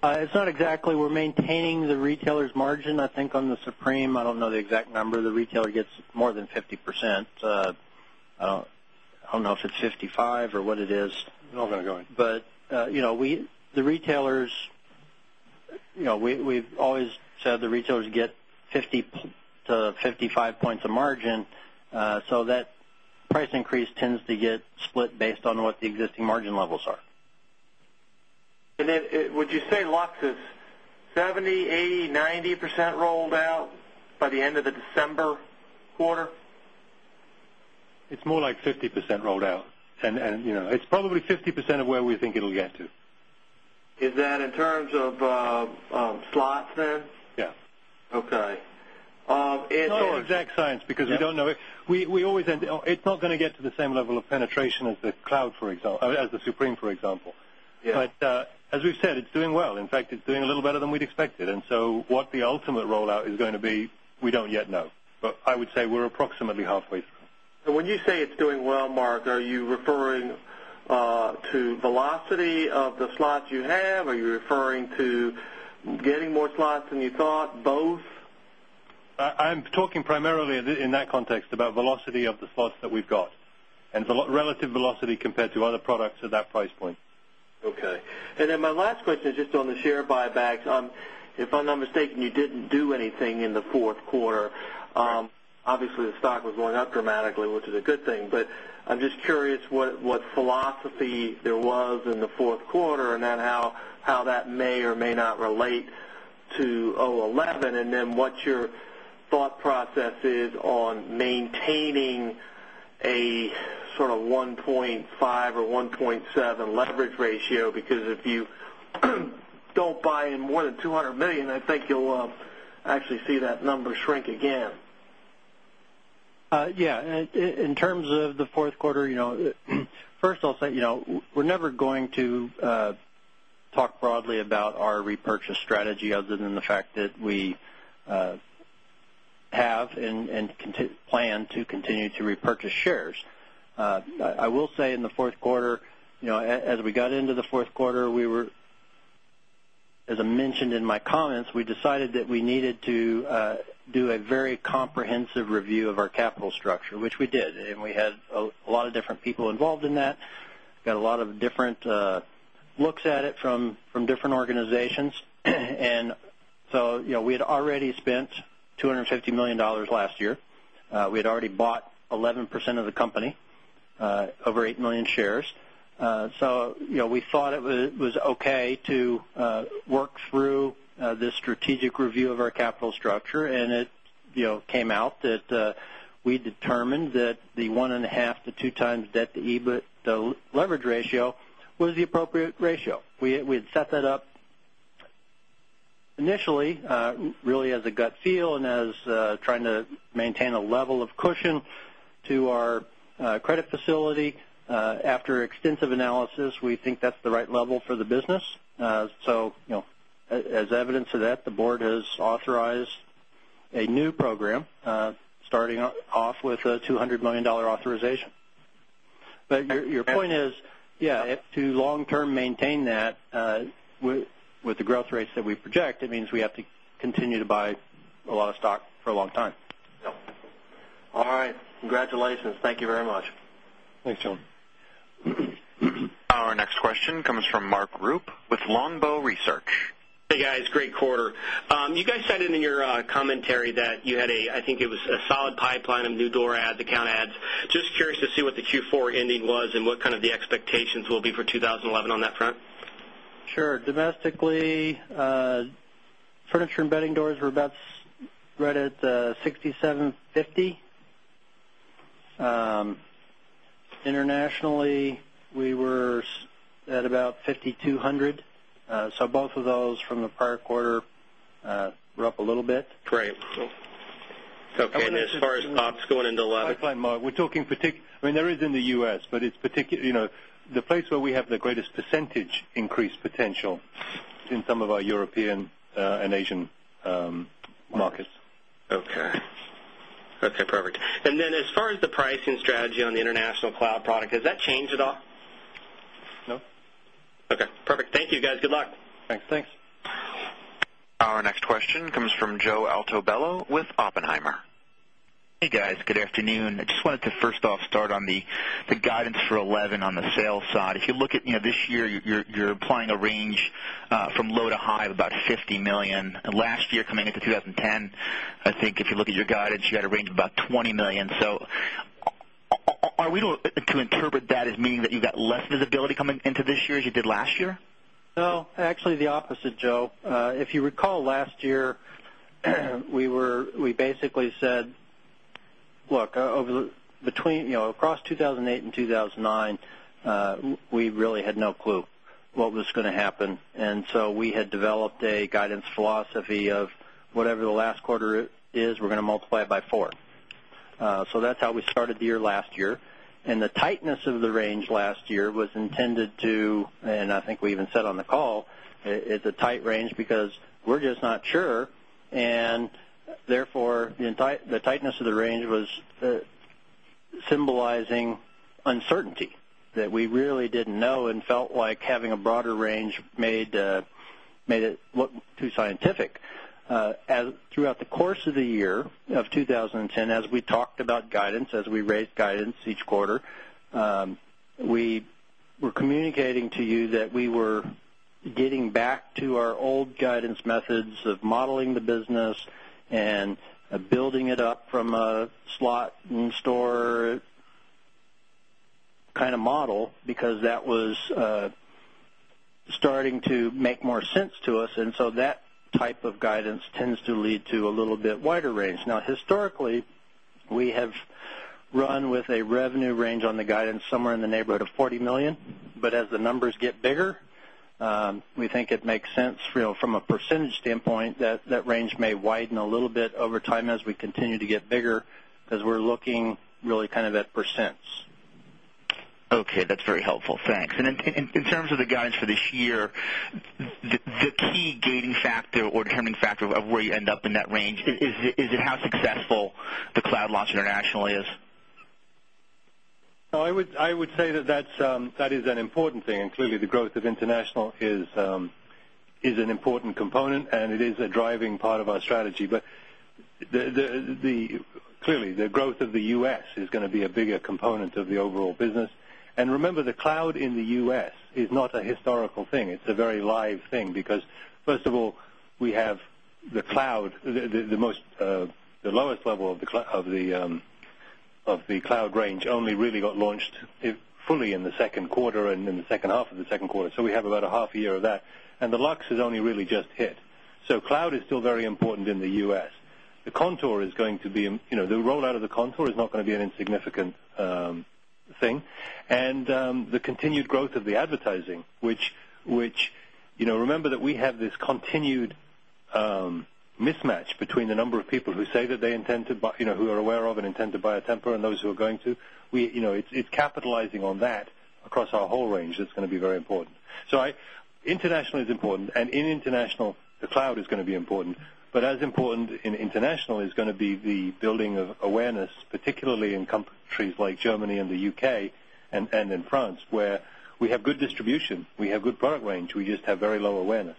It's not exactly we're maintaining the retailer's margin. I think on the Supreme, I don't know the exact number. The retailer gets more than 50%. I don't know if it's 55% or what it is. No, I'm going to go in. But we the retailers we've always said the retailers get 50 points to 55 points of margin. So that price increase tends to get split based on what the existing margin levels are. And then would you say Lux is 70%, 80%, 90% rolled out by the end of the December quarter? It's more like 50% rolled out. And it's probably 50% of where we think it will get to. Is that in terms of slots there? Yes. Okay. It's not exact science because we don't know it. We always end it's not going to get to the same level of penetration as the cloud for example as the Supreme for example. But as we've said, it's doing well. In fact, it's doing a little better than we'd expected. And so what the ultimate rollout is going to be, we don't yet know. But I would say we're approximately halfway through. So when you say it's doing well, Mark, are you referring to velocity of the slots you have? Are you referring to getting more slots than you thought, both? I'm talking primarily in that context about velocity of the slots that we've got and relative velocity compared to other relative velocity compared to other products at that price point. Okay. And then my last question is just on the share buybacks. If I'm not mistaken, you didn't do anything in the Q4. Obviously, the stock was going up dramatically, which is a good thing. But I'm just curious what philosophy there was in the Q4 and then how that may or may not relate to 2011? And then what's your thought process is on maintaining a sort of 1.5 or 1.7 leverage ratio because if you don't buy in more than $200,000,000 I think you'll actually see that number shrink again. Yes. In terms of the Q4, first I'll say, we're never going to talk broadly about our repurchase strategy other than the fact that we have and plan to continue to have and plan to continue to repurchase shares. I will say in the Q4, as we got into the Q4, we were as I mentioned in my comments, we decided that we needed to do a very comprehensive review of our capital structure, which we did. And we had a lot of different people involved in that, got a lot of different looks at it from different organizations. And so we had already spent 250 $1,000,000 last year. We had already bought 11% of the company, over 8,000,000 shares. So we thought it was okay to work through the strategic review of our capital structure and it came out that we determined that the 1.5 to 2 times debt to EBITDA leverage ratio was the appropriate ratio. We had set that up initially really as a gut feel and as feel and as trying to maintain a level of cushion to our credit facility. After extensive analysis, we think that's the right level for the business. So as evidence of that, the Board has authorized a new program starting off with a $200,000,000 authorization. But your point is, yes, to long term maintain that with the growth rates that we project, it means we have to continue to buy a lot of stock for a long time. All right. Congratulations. Thank you very much. Thanks, John. Our next question comes from Mark Roop with Longbow Research. Hey, guys. Great quarter. You guys said in your commentary that you had a I think it was a solid pipeline of new door adds, account adds. Just curious to see what the Q4 ending was and what kind of the expectations will be for 20 11 on that front? Sure. Domestically, furniture and bedding doors were about right at $67.50 Internationally, we were at about 5,002 100. So both of those from the prior quarter were up a little bit. Great. Okay. And as far as ops going into the left? I'd like Mark. We're talking I mean there is in the U. S, but it's particularly the place where we have the greatest percentage increase potential percentage increase potential in some of our European and Asian markets. Okay. Okay, perfect. And then as far as the pricing strategy on the international cloud product, has that changed at all? No. Our next question comes from Joe Altobello with Oppenheimer. I just wanted to first off start on the guidance for 11 on the sales side. If you look at this year, you're applying a range from low to high of about $50,000,000 Last year coming into 2010, I think if you look at your guidance, you had a range of about $20,000,000 So are we to interpret that as meaning that you've got less visibility coming into this year as you did last year? No, actually the opposite, Joe. If you recall last year, we basically said, look, between across 2,008 and 2,009, we really had no clue what was going to happen. And so we had developed a guidance philosophy of whatever the last quarter is, we're going to multiply it by 4. So that's how we started the year last year. And the tightness of the range last year was intended to and I think we even said on the call, it's a tight range because we're just not sure. And therefore, the tightness of the range was symbolizing uncertainty that we really didn't know and felt like having a broader range made it look too scientific. Throughout the course of the year of 2010, as we talked about guidance, as we raised guidance each quarter, we were communicating to you that we were getting back to our old guidance methods of modeling the business and building it up from a slot store kind of model because that was starting to make more sense to us. And so that type of guidance tends to lead to a little bit wider range. Now historically, we have run with a revenue range on the guidance somewhere in the neighborhood of $40,000,000 But as the numbers get bigger, we think it makes sense from a percentage standpoint that range may widen a little bit over time as we continue to get bigger as we're looking really kind of at percents. Okay. That's very really kind of at percents. Okay. That's very helpful. Thanks. And then in terms of the guidance for this year, the key gating factor or determining factor of where you end up in that range, is it how successful the cloud launch internationally is? No, I would say that that is an important thing. And clearly, the growth of international is an important component and it is a driving part of our strategy. But clearly, the growth of the U. S. Is going to be a bigger component of the overall business. And remember, the cloud in the U. S. Is not a historical thing. It's a very live thing because first of all, we have the cloud, the most the lowest level of the cloud range only really got launched fully in the second quarter and in the second half of the second quarter. So we have about a half year of that and Deluxe has only really just hit. So cloud is still very important in the U. S. The Contour is going to be the rollout of the Contour is not going to be an insignificant thing. And the continued growth of the advertising, which remember that we have this continued mismatch between the number of people who say that they intend to buy who are aware of and intend to buy a Tempur and those who are going to. It's capitalizing on that across our whole range that's going to be very important. So international is important. And in international, the cloud is going to be important. But as important in international is going to be the building of awareness particularly in countries like Germany and the U. K. And in France where we have good distribution, we have good product range, we just have very low awareness.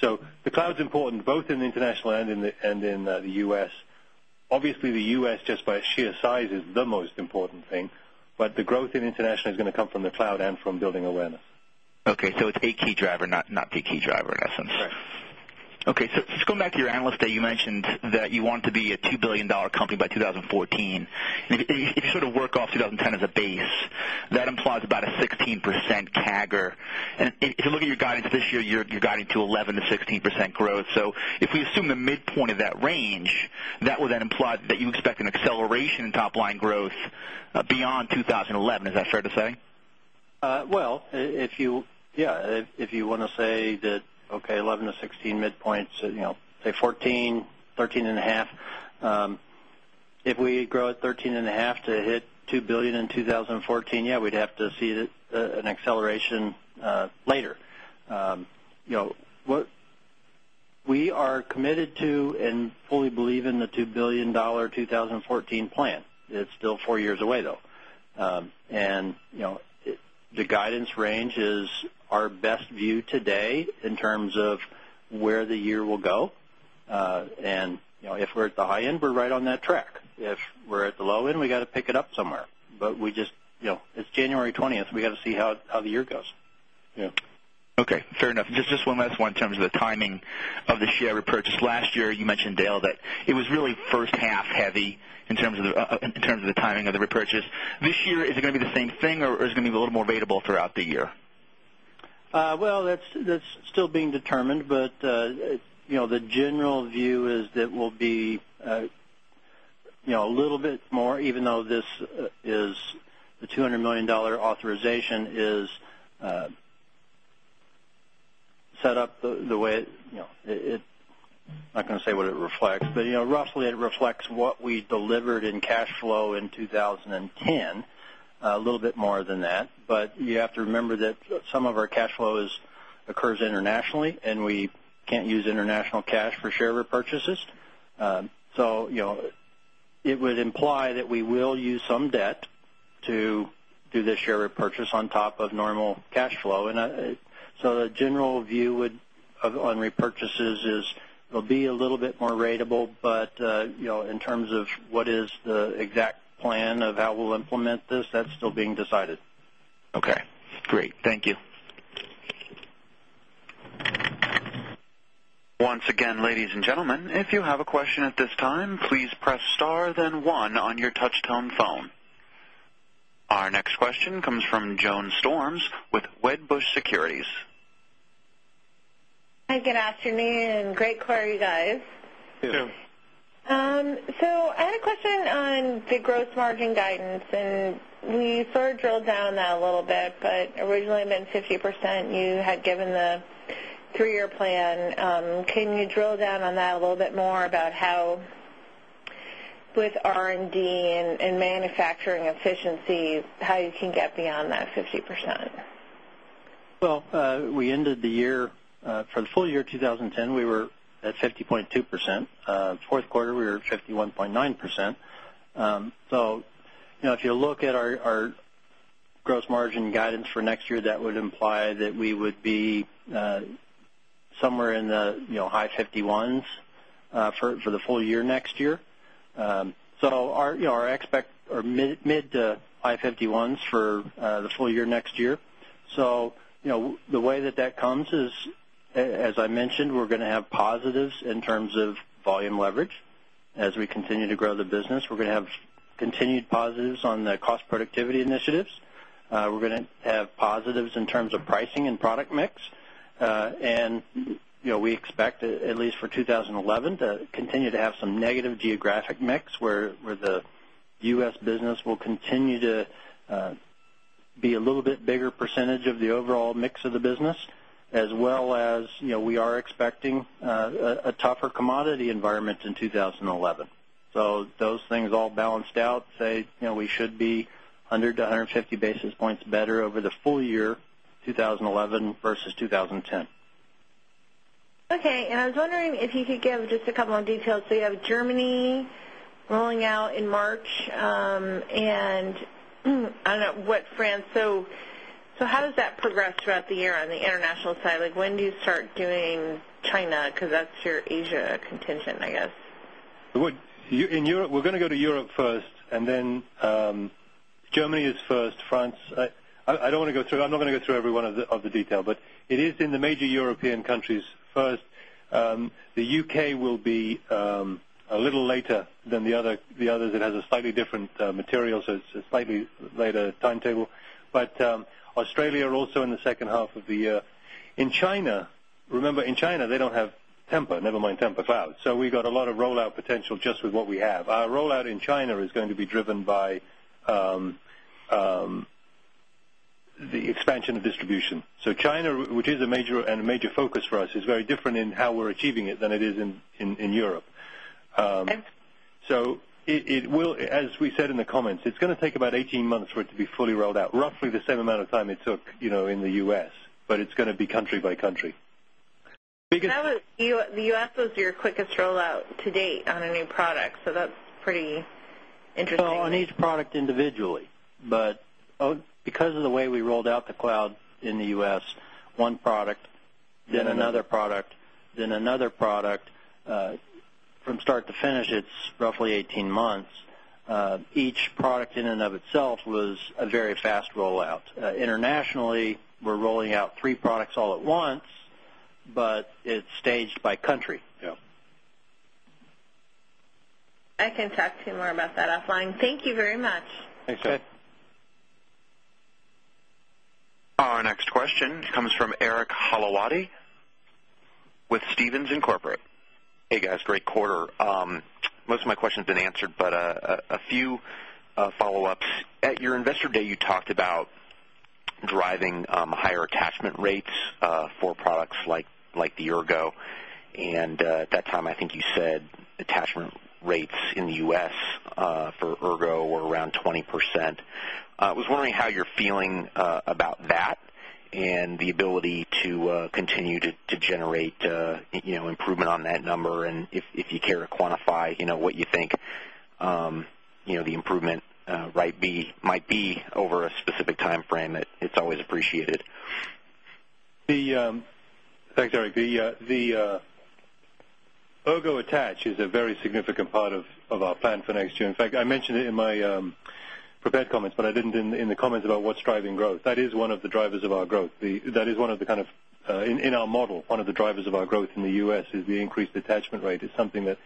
So the cloud is important both international and in the U. S. Obviously, the U. S. Just by sheer size is the most important thing, but the growth in international is going to come from the cloud and from building awareness. Okay. So it's a key driver, not the key driver in essence. Correct. Okay. So just going back to your Analyst Day, you mentioned that you want to be a $2,000,000,000 company by 2014. If you sort of work off 2010 as a base, that implies about a 16% CAGR. And if you look at your guidance this year, you're guiding to 11% to 16% growth. So if we assume the midpoint of that range, that would then imply that you expect an acceleration in top line growth beyond 2011. Is that fair to say? Well, if you yes, if you want to say that, okay, dollars 11,000,000 to 16,000,000 midpoints, say $14,000,000,000 If we grow at $13,500,000,000 to hit $2,000,000,000 in 2014, yes, we'd have to see an acceleration later. We are committed to and fully believe in the $2,000,000,000 2014 plan. It's still 4 years away though. And the guidance range is our best view today in terms of low end, we got to pick it up somewhere. But we just it's January 20. We got to see how the year goes. Yes. Okay. And then, I'll just just it's January 20. We got to see how the year goes. Yes. Okay. Fair enough. And just one last one in terms of the timing of the share repurchase. Last year, you mentioned, Dale, that it was really first half heavy in terms of the timing of the repurchase. This year, is it going to be the same thing or is it going to be a little more ratable throughout the year? Well, that's still being determined, but the general view is that we'll be a little bit more even though this is the $200,000,000 authorization is set up the way it I'm not going to say what it reflects, but roughly it reflects what we delivered in cash flow in 2010, a little bit more than that. But you have to remember that some of our cash flows occurs internationally and we can't use international cash for share repurchases. So it would imply that we will use some debt to do the share repurchase on top of normal cash flow. And so the general view would on repurchases is it will be a little bit more ratable, but in terms of what is the exact plan of how we'll implement this, that's still being decided. Okay, great. Thank you. Our next question comes from Joan Storms with Wedbush Securities. Hi, good afternoon. Great quarter, you guys. Yes, Joan. So I had a question on the gross margin guidance. And we sort of drilled down that a little bit, but originally it meant 50%, you had given the 3 year plan. Can you drill down on that a little bit more about how with R and D and manufacturing efficiency, how you can get beyond that 50%? Well, we ended the year for the full year 2010, we were at 50.2%. 4th quarter, we were at 51.9%. So if you look at our gross margin guidance for next year, that would imply that we would be somewhere in the high-51s for the full year next year. So our expect mid- to high-51s for the full year next year. So the way that that comes is, as I mentioned, we're going to have positives in terms of volume leverage as we continue to grow the business. We're going to have continued positives on the cost productivity initiatives. We're going to have positives in terms of pricing and product mix. And we expect at least for 2011 to continue to have some negative geographic mix where the U. S. Business will continue to be a little bit bigger percentage of the overall mix of the business as well as we are expecting a tougher commodity environment in 2011. So those things all balanced out, say, we should be 100 to 10. Okay. And I was wondering if you could give just a couple of details. So you have Germany rolling out in March and I don't know what France. So how does that progress throughout the year on the international side? Like when do you start doing China because that's your Asia contingent, I guess? In Europe, we're going to go to Europe first and then Germany is 1st, France. I don't want to go through I'm not going to go through every one of the detail, but it is in the major European countries first. The UK will be a little later than the others. It has a slightly different material, so it's a slightly later timetable. But Australia also in the second half of the year. In China, remember in China, they don't have Tempur, never mind Tempur Cloud. So we've got a lot of rollout potential just with what we have. Our rollout in China is going to be driven by the expansion of distribution. So China, which is a major and a major focus for us, is very different in how we're achieving it than it is in Europe. So it will as we said in the comments, it's going to take about 18 months for it to be fully rolled out, roughly the same amount of time it took in the U. S, but it's going to be country by country. The U. S. Was your quickest rollout to date on a new product. So that's pretty interesting. So on each product individually, but because of the way we rolled out the cloud in the U. S, one product, then another product, then another product, from start to finish, it's roughly 18 months. Each product in and of itself was a very fast rollout. Internationally, we're rolling out 3 products all at once, Internationally, we're rolling out 3 products all at once, but it's staged by country. I can talk to you more about that offline. Thank you very much. Thanks, Jay. Our next question comes from Eric Halawadi with Stephens Incorporated. Hey, guys, great quarter. Most of my questions have been answered, but a few follow ups. At your Investor Day, you talked about driving higher attachment rates for products like the Ergo. And at that time, I think you said attachment rates in the U. S. For Ergo were around 20%. I was wondering how you're feeling about that and the ability to continue to generate improvement on that number and if you care to quantify what you think the improvement might be over a specific timeframe that it's always appreciated? Thanks, Eric. The logo attach is a very significant of our plan for next year. In fact, I mentioned it in my prepared comments, but I didn't in the comments about what's driving growth. That is one of the drivers of our growth. That is one of the kind of in our model, one of the drivers of our growth in the U. S. Is the increased attachment rate is something that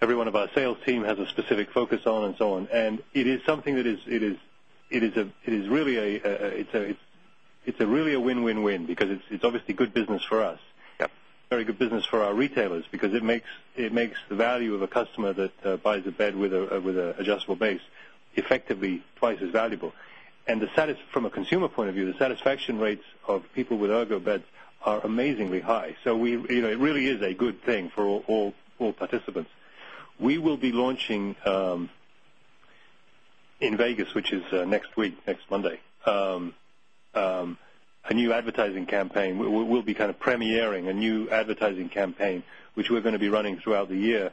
every one of our sales team has a specific focus on and so on. And it is something that is really a win win win because it's obviously good business for us, very good business for our retailers because it makes the value of a customer that buys a bed with an adjustable base effectively twice as valuable. And from a consumer point of view, the satisfaction rates of people with Ergobettes are amazingly high. So it really is a good thing for all participants. We will be launching in Vegas, which is next week, next Monday, a new advertising campaign. We'll be kind of premiering a new advertising campaign, which we're going to be running throughout the year,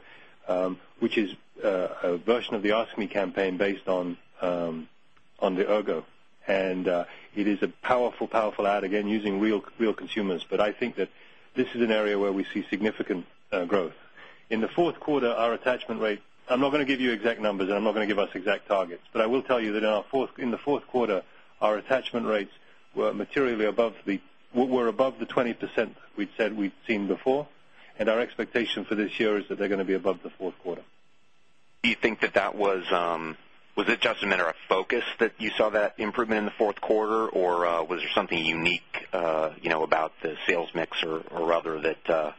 which is a version of the Ask Me campaign based on the Ergo. And it is a powerful, powerful ad, again, using real consumers. But I think that this is an area where we see significant growth. In the Q4, our attachment rate, I'm not going to give you exact numbers and I'm not going to give us exact targets, but I will tell you that in the Q4, our attachment rates were materially above the were above the 20% we'd said we'd seen before. And our expectation for this year is that they're going to be above the Q4. Do you think that that was was adjustment or a focus that you saw that improvement in the Q4? Or was there something unique about the sales mix or other that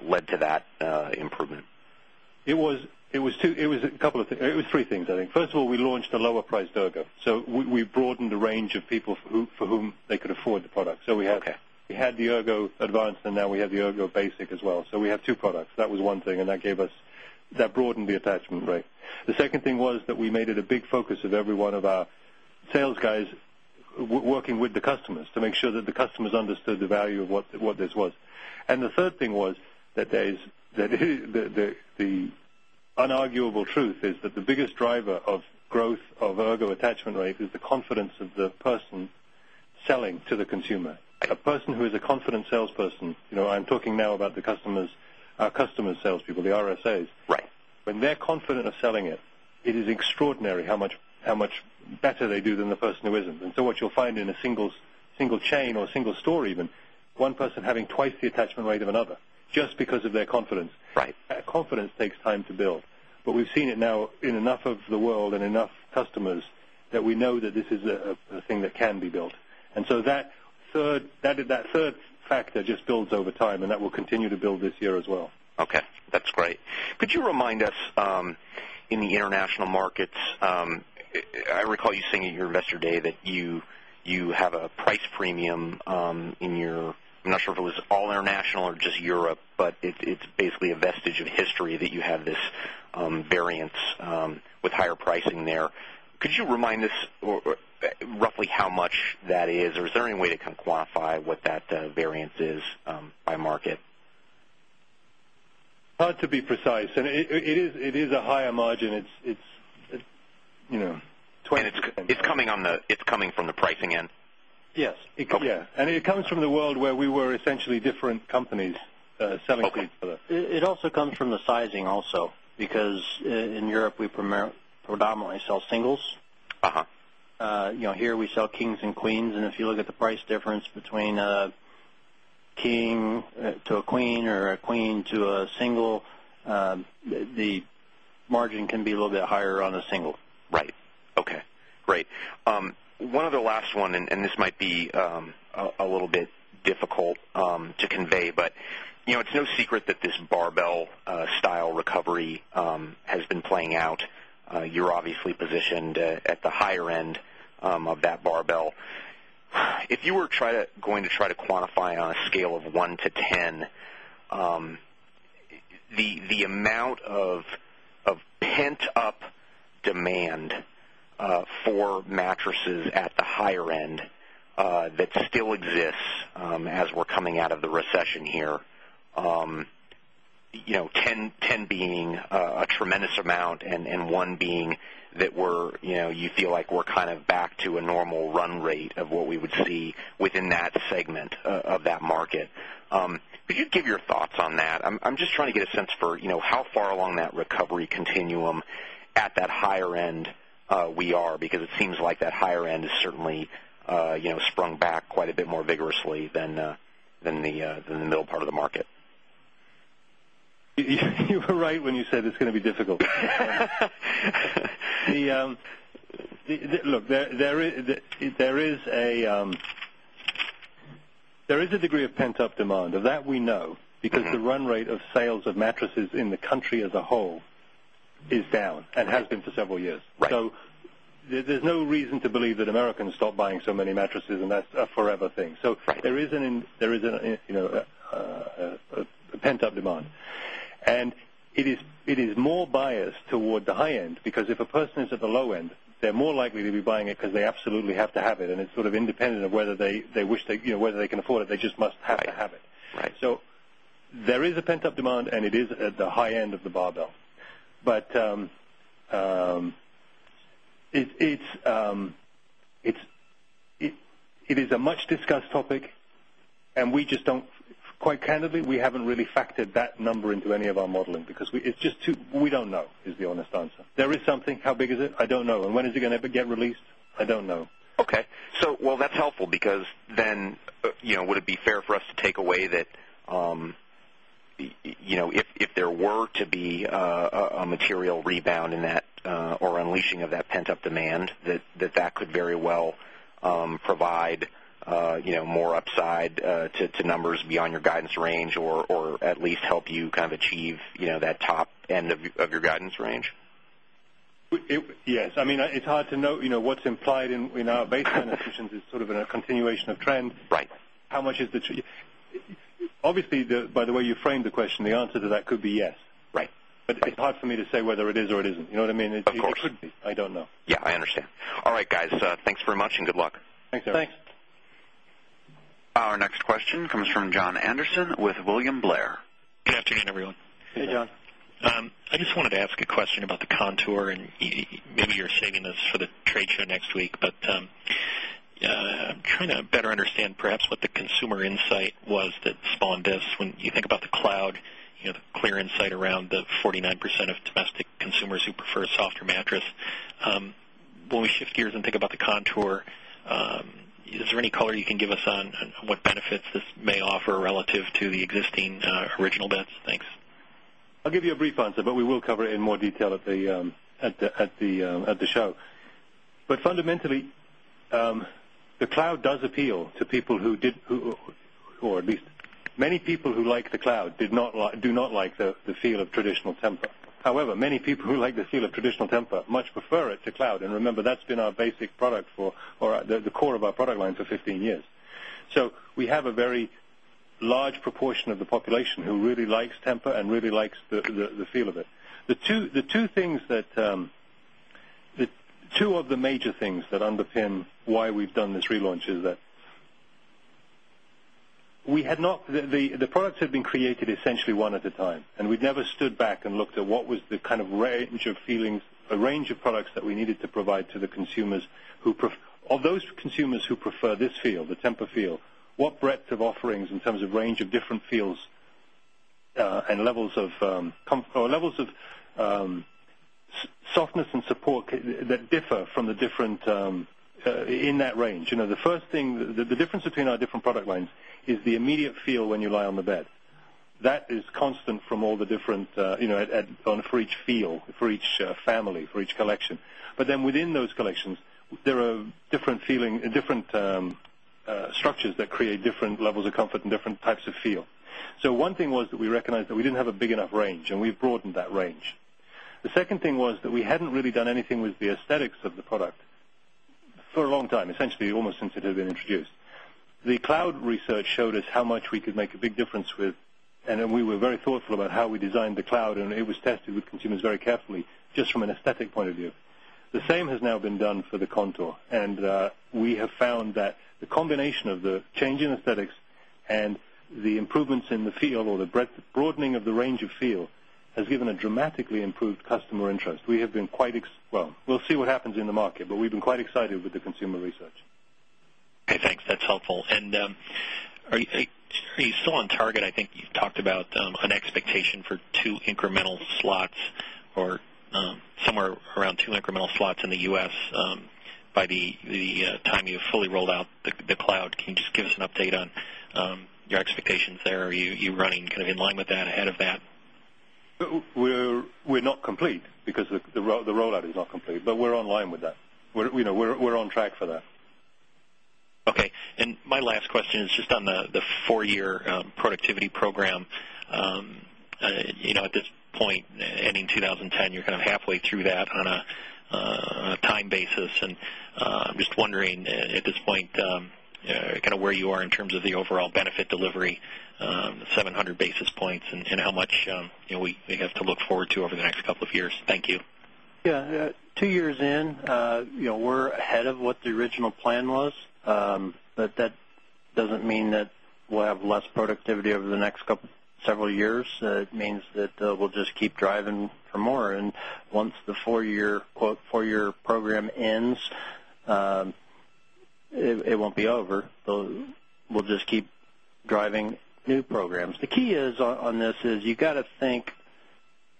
led to that improvement? It was a couple of it was 3 things, I think. First of all, we launched a lower priced Ergo. So, we broadened the range of people for whom they could afford the product. So, we had the Ergo Advanced and now we have the Ergo Basic as well. So we have 2 products. That was one thing and that gave us that broadened the attachment rate. The second thing was that we made it a big focus of every one of our sales guys working with the customers to make sure that the customers understood the value of what this was. And the third thing was that there is that the unarguable truth is that the biggest driver of growth of Ergo attachment rate is the confidence of the person do than the person who isn't. And so what you'll find in a single chain or a single store even, one person having twice the attachment rate of another just because of their confidence. That confidence takes time to build. But we've seen it now in enough of the world and enough customers that we know that is a thing that can be built. And so that third factor just builds over time and that will continue to build this year as well. Okay. That's great. Could you remind us in the international markets, I recall you saying at your Investor Day that you have a price premium in your I'm not sure if it was all international or just Europe, but it's basically a vestige of history that you have this variance with higher pricing there. Could you remind us roughly how much that is? Or is there any way to kind of quantify what that variance is by market? Hard to be precise. It is a higher margin. It's And it's coming from the pricing end? Yes. Yes. And it comes from the world where we were essentially different companies selling pizza. It also comes from the sizing also because in Europe we predominantly sell singles. Here we sell kings and queens and if you look at the price difference between a king to a Queen or a Queen to a single, the margin can be a little bit higher on a single. Right. Okay, great. One other last one and this might be a little bit difficult to convey, but it's no secret that this barbell style recovery has been playing out. You're obviously positioned at the higher end of that barbell. If you were going to try to quantify on a scale of 1 to 10, the amount of pent up demand for mattresses at the higher end that still exists as we're coming out of the recession here. 10 being a tremendous amount and one being that we're you feel like we're kind of back to a normal run rate of what we would see within that segment of that a normal run rate of what we would see within that segment of that market. Could you give your thoughts on that? I'm just trying to get a sense for how far along that recovery continuum at that higher end we are, because it seems like that higher end has certainly sprung back quite a bit more vigorously than the middle part of the market? You were right when you said it's going to be difficult. Look, there is a degree of pent up demand. Of that we know because the run rate of sales of mattresses in the country as a whole is down and has been for several years. So there's no reason to believe that Americans stop buying so many mattresses and that's a forever thing. So there is a pent up demand. And it is more biased toward the high end because if a person is at the low end, they're more likely to be buying it because they absolutely have to have it and it's sort of independent of whether they wish they can afford it, they just must have to have it. So there is a pent up demand and it is at the high end of the candidly, we haven't really factored that number into any of our modeling because it's just too candidly, we haven't really factored that number into any of our modeling because it's just too we don't know is the honest answer. There is something, how big is it, I don't know. And when is it going to ever get released, I don't know. Okay. So well, that's helpful because then would it be fair for us to take away that if there were to be a material rebound in that or unleashing of that pent up demand that that could very well provide more upside to numbers beyond your guidance range or at least help you to numbers beyond your guidance range or at least help you kind of achieve that top end of your guidance range? Yes. I mean it's hard to know what's implied in our baseline assumptions is sort of a continuation of trends. How much is the obviously, by the way you framed the question, the answer to that could be yes. But it's hard for me to say whether it is or it isn't. You know what I mean? Of course. I don't know. Yes, I understand. All right, guys. Thanks very much and good luck. Thanks, Eric. Thanks. Our next question comes from Jon Andersen with William Blair. Good afternoon, everyone. Hey, Jon. I just wanted to ask a question about the Kontoor and maybe you're saving this for the trade show next week, but I'm trying to better understand perhaps what the consumer insight was that spawned this when you think about the cloud, clear insight around the 49% of domestic consumers who prefer softer mattress. When we shift gears and think about the contour, is there any color you can give us on what benefits this may offer relative to the existing original beds? Thanks. I'll give you a brief answer, but we will cover it in more detail at the show. But fundamentally, the cloud does appeal to people who did or at least many people who like the cloud did not like do not like the feel of traditional Tempur. However, many people who like the of traditional Tempur much prefer it to cloud and remember that's been our basic product for or the core of our product line for 15 years. So we have a very large proportion of the population who really likes Tempur and really likes the feel of it. The two things that 2 of the major things that underpin why we've done this relaunch is that we had not the products have been created essentially 1 at a time and we've never stood back and looked at what was the kind of range of feelings a range of products that we needed to provide to the consumers who of those consumers who prefer this field, the Tempur field, what breadth of offerings in terms of range of different fields and levels of levels of softness and support that differ from the different in that range. The first thing the difference between our different product lines is the immediate feel when you lie on the bed. That is constant from all the different for each feel, for each family, for each collection. But then within those collections, there are different feeling different structures that create different levels of comfort and different types of feel. So one thing was that we recognized that we didn't have a big range and we've broadened that range. The second thing was that we hadn't really done anything with the aesthetics of the product for a long time, essentially almost since it had been introduced. The cloud research showed us how much we could make a big difference with and then we were very thoughtful about how we designed the cloud and it was tested with consumers very carefully just from an aesthetic point of view. The same has now been done for the Kontoor and we have found that the combination of the change in aesthetics and the improvements in the field or the broadening of the range of field has given a dramatically improved customer interest. We have been quite well, we'll see what happens in the market, but we've been quite excited with the consumer research. Okay, thanks. That's helpful. And are you still on target? I think you've talked about an expectation for 2 incremental slots or somewhere around 2 incremental slots in the U. S. By the time you fully rolled out the cloud. Can you just give us an update on your expectations there? Are you Can you just give us an update on your expectations there? Are you running kind of in line with that ahead of that? We're not complete because the rollout is not complete, but we're on line with that. We're on track for that. Okay. And my last question is just on the 4 year productivity program. Question is just on the 4 year productivity program. At this point, ending 2010, you're kind of halfway through that on a time basis. And I'm just wondering at this point, kind of where you are in terms of the overall benefit delivery, the 700 basis points and how much we have to look forward to over the next couple of years? Thank you. Yes. 2 years in, we're ahead of what the original plan was, but that doesn't that we'll have less productivity over the next several years. It means that we'll just keep driving for more. And once the 4 year program ends, it won't be over. We'll just keep driving new programs. The key is on this is you've got to think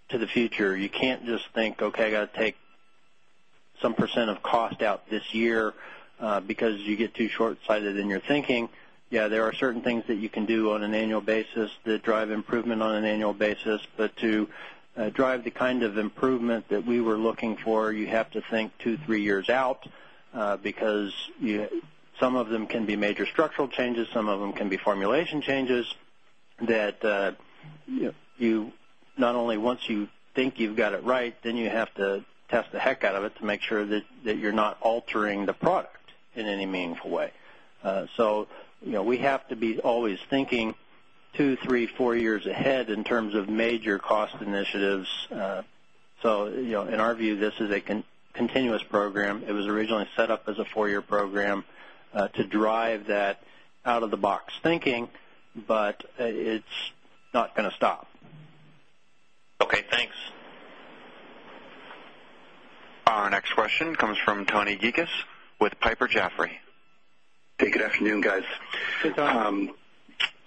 to the future. You can't just think, okay, I got to take some percent of cost out this year because you get too short sighted in your thinking. Yes, there are certain things that you can do on an annual basis that drive improvement on an annual basis. But to drive the kind of improvement that we were looking for, you have to think 2, 3 years out, because some of them can be major structural changes, some of them can be formulation changes that you not only once you think you've got it right, then you have to test the out of it to make sure that you're not altering the product in any meaningful way. So we have to be always thinking 2, 3, 4 years ahead in terms of major cost initiatives. So in our view, this is a continuous program. It was originally set up as a 4 year program to drive that out of the box thinking, but it's not going to stop. Okay. Our next question comes from Tony Gieges with Piper Jaffray.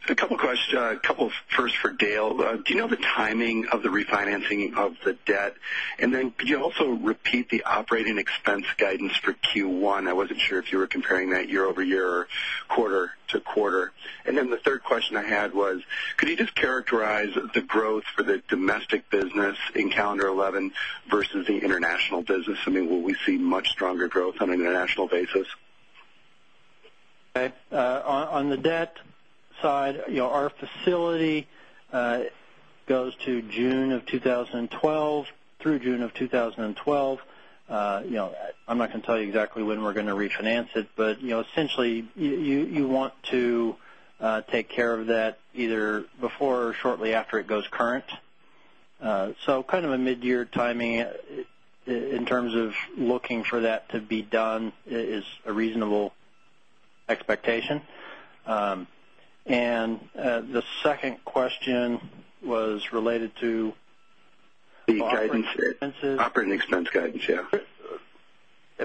A couple of questions. A couple of first for Dale. Do you know the timing of the refinancing of the debt? And then could you also repeat the operating expense guidance for Q1? I wasn't sure if you were comparing that year over year or quarter to quarter. And then the third question I had was, could you just characterize the growth for the domestic business in calendar 2011 versus the international business? I mean, will we see much stronger growth on an international basis? Okay. On the debt side, our facility goes to June of 2012 through June of 2012. I'm not going to tell you exactly when we're going to refinance it, but essentially you want to take care of that either before or shortly after it goes current. So kind of a mid year timing in terms of looking for that to be done is a reasonable expectation. And the second question was related to And the second question was related to operating expense guidance, yes.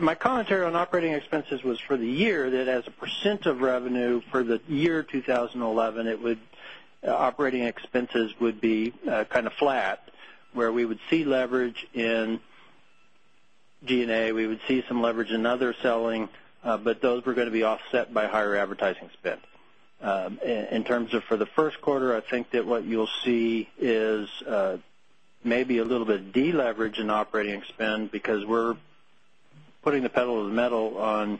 My commentary on operating expenses was for the year that as a percent of revenue for the year 2011, it would operating expenses would be kind of flat where we would see leverage in G and A, we would see some leverage in other selling, but those were going to be offset by higher advertising spend. For the Q1, I think that what you'll see is maybe a little bit deleverage in operating spend because we're putting the pedal to the metal on ramping to the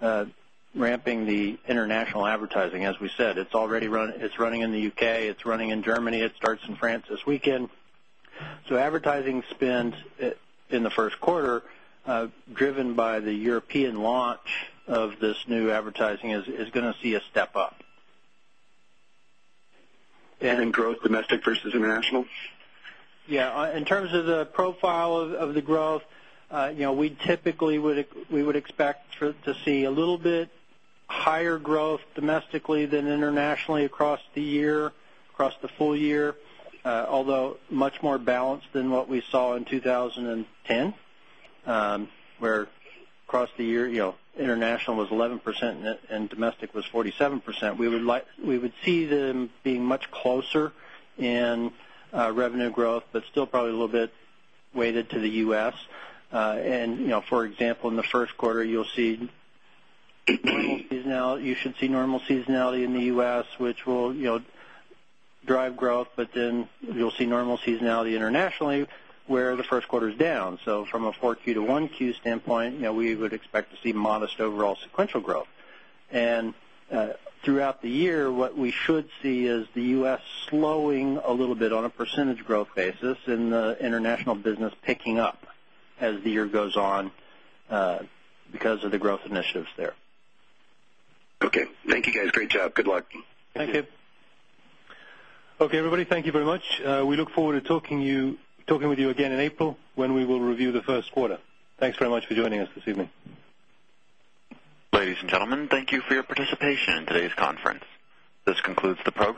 metal on ramping the international advertising. As we said, it's already running it's running in the UK, it's running in Germany, it starts in France this weekend. So advertising spend in the Q1, driven by the European launch of this new advertising, is going to see a step up. Okay. And then, advertising is going to see a step up. And growth domestic versus international? Yes. In terms of the profile of the growth, we typically would expect to see a a little bit higher growth domestically than internationally across the year, across the full year, although much more balanced than what we saw in 2010, where across the year international was 11% and domestic was 47%. We would see them being much closer in revenue growth, but still probably a little bit weighted to the U. S. And for example, in the Q1, you'll see you should see normal seasonality in the U. S, which will drive growth, but then you'll see normal seasonality internationally where the Q1 is down. So from a 4Q to 1Q standpoint, we would expect to see modest overall sequential growth. And we would expect to see modest overall sequential growth. And throughout the year, what we should see is the U. S. Slowing a little bit on a percentage growth basis and the international business picking up as the year goes on because of the growth initiatives there. Okay. Thank you, guys. Great job. Good luck. Thank you. Okay, everybody, thank you very much. We look forward to talking with you again in April when we will review the Q1. Thanks very much for joining us this evening. Ladies and gentlemen, thank you for your participation in today's conference. This concludes the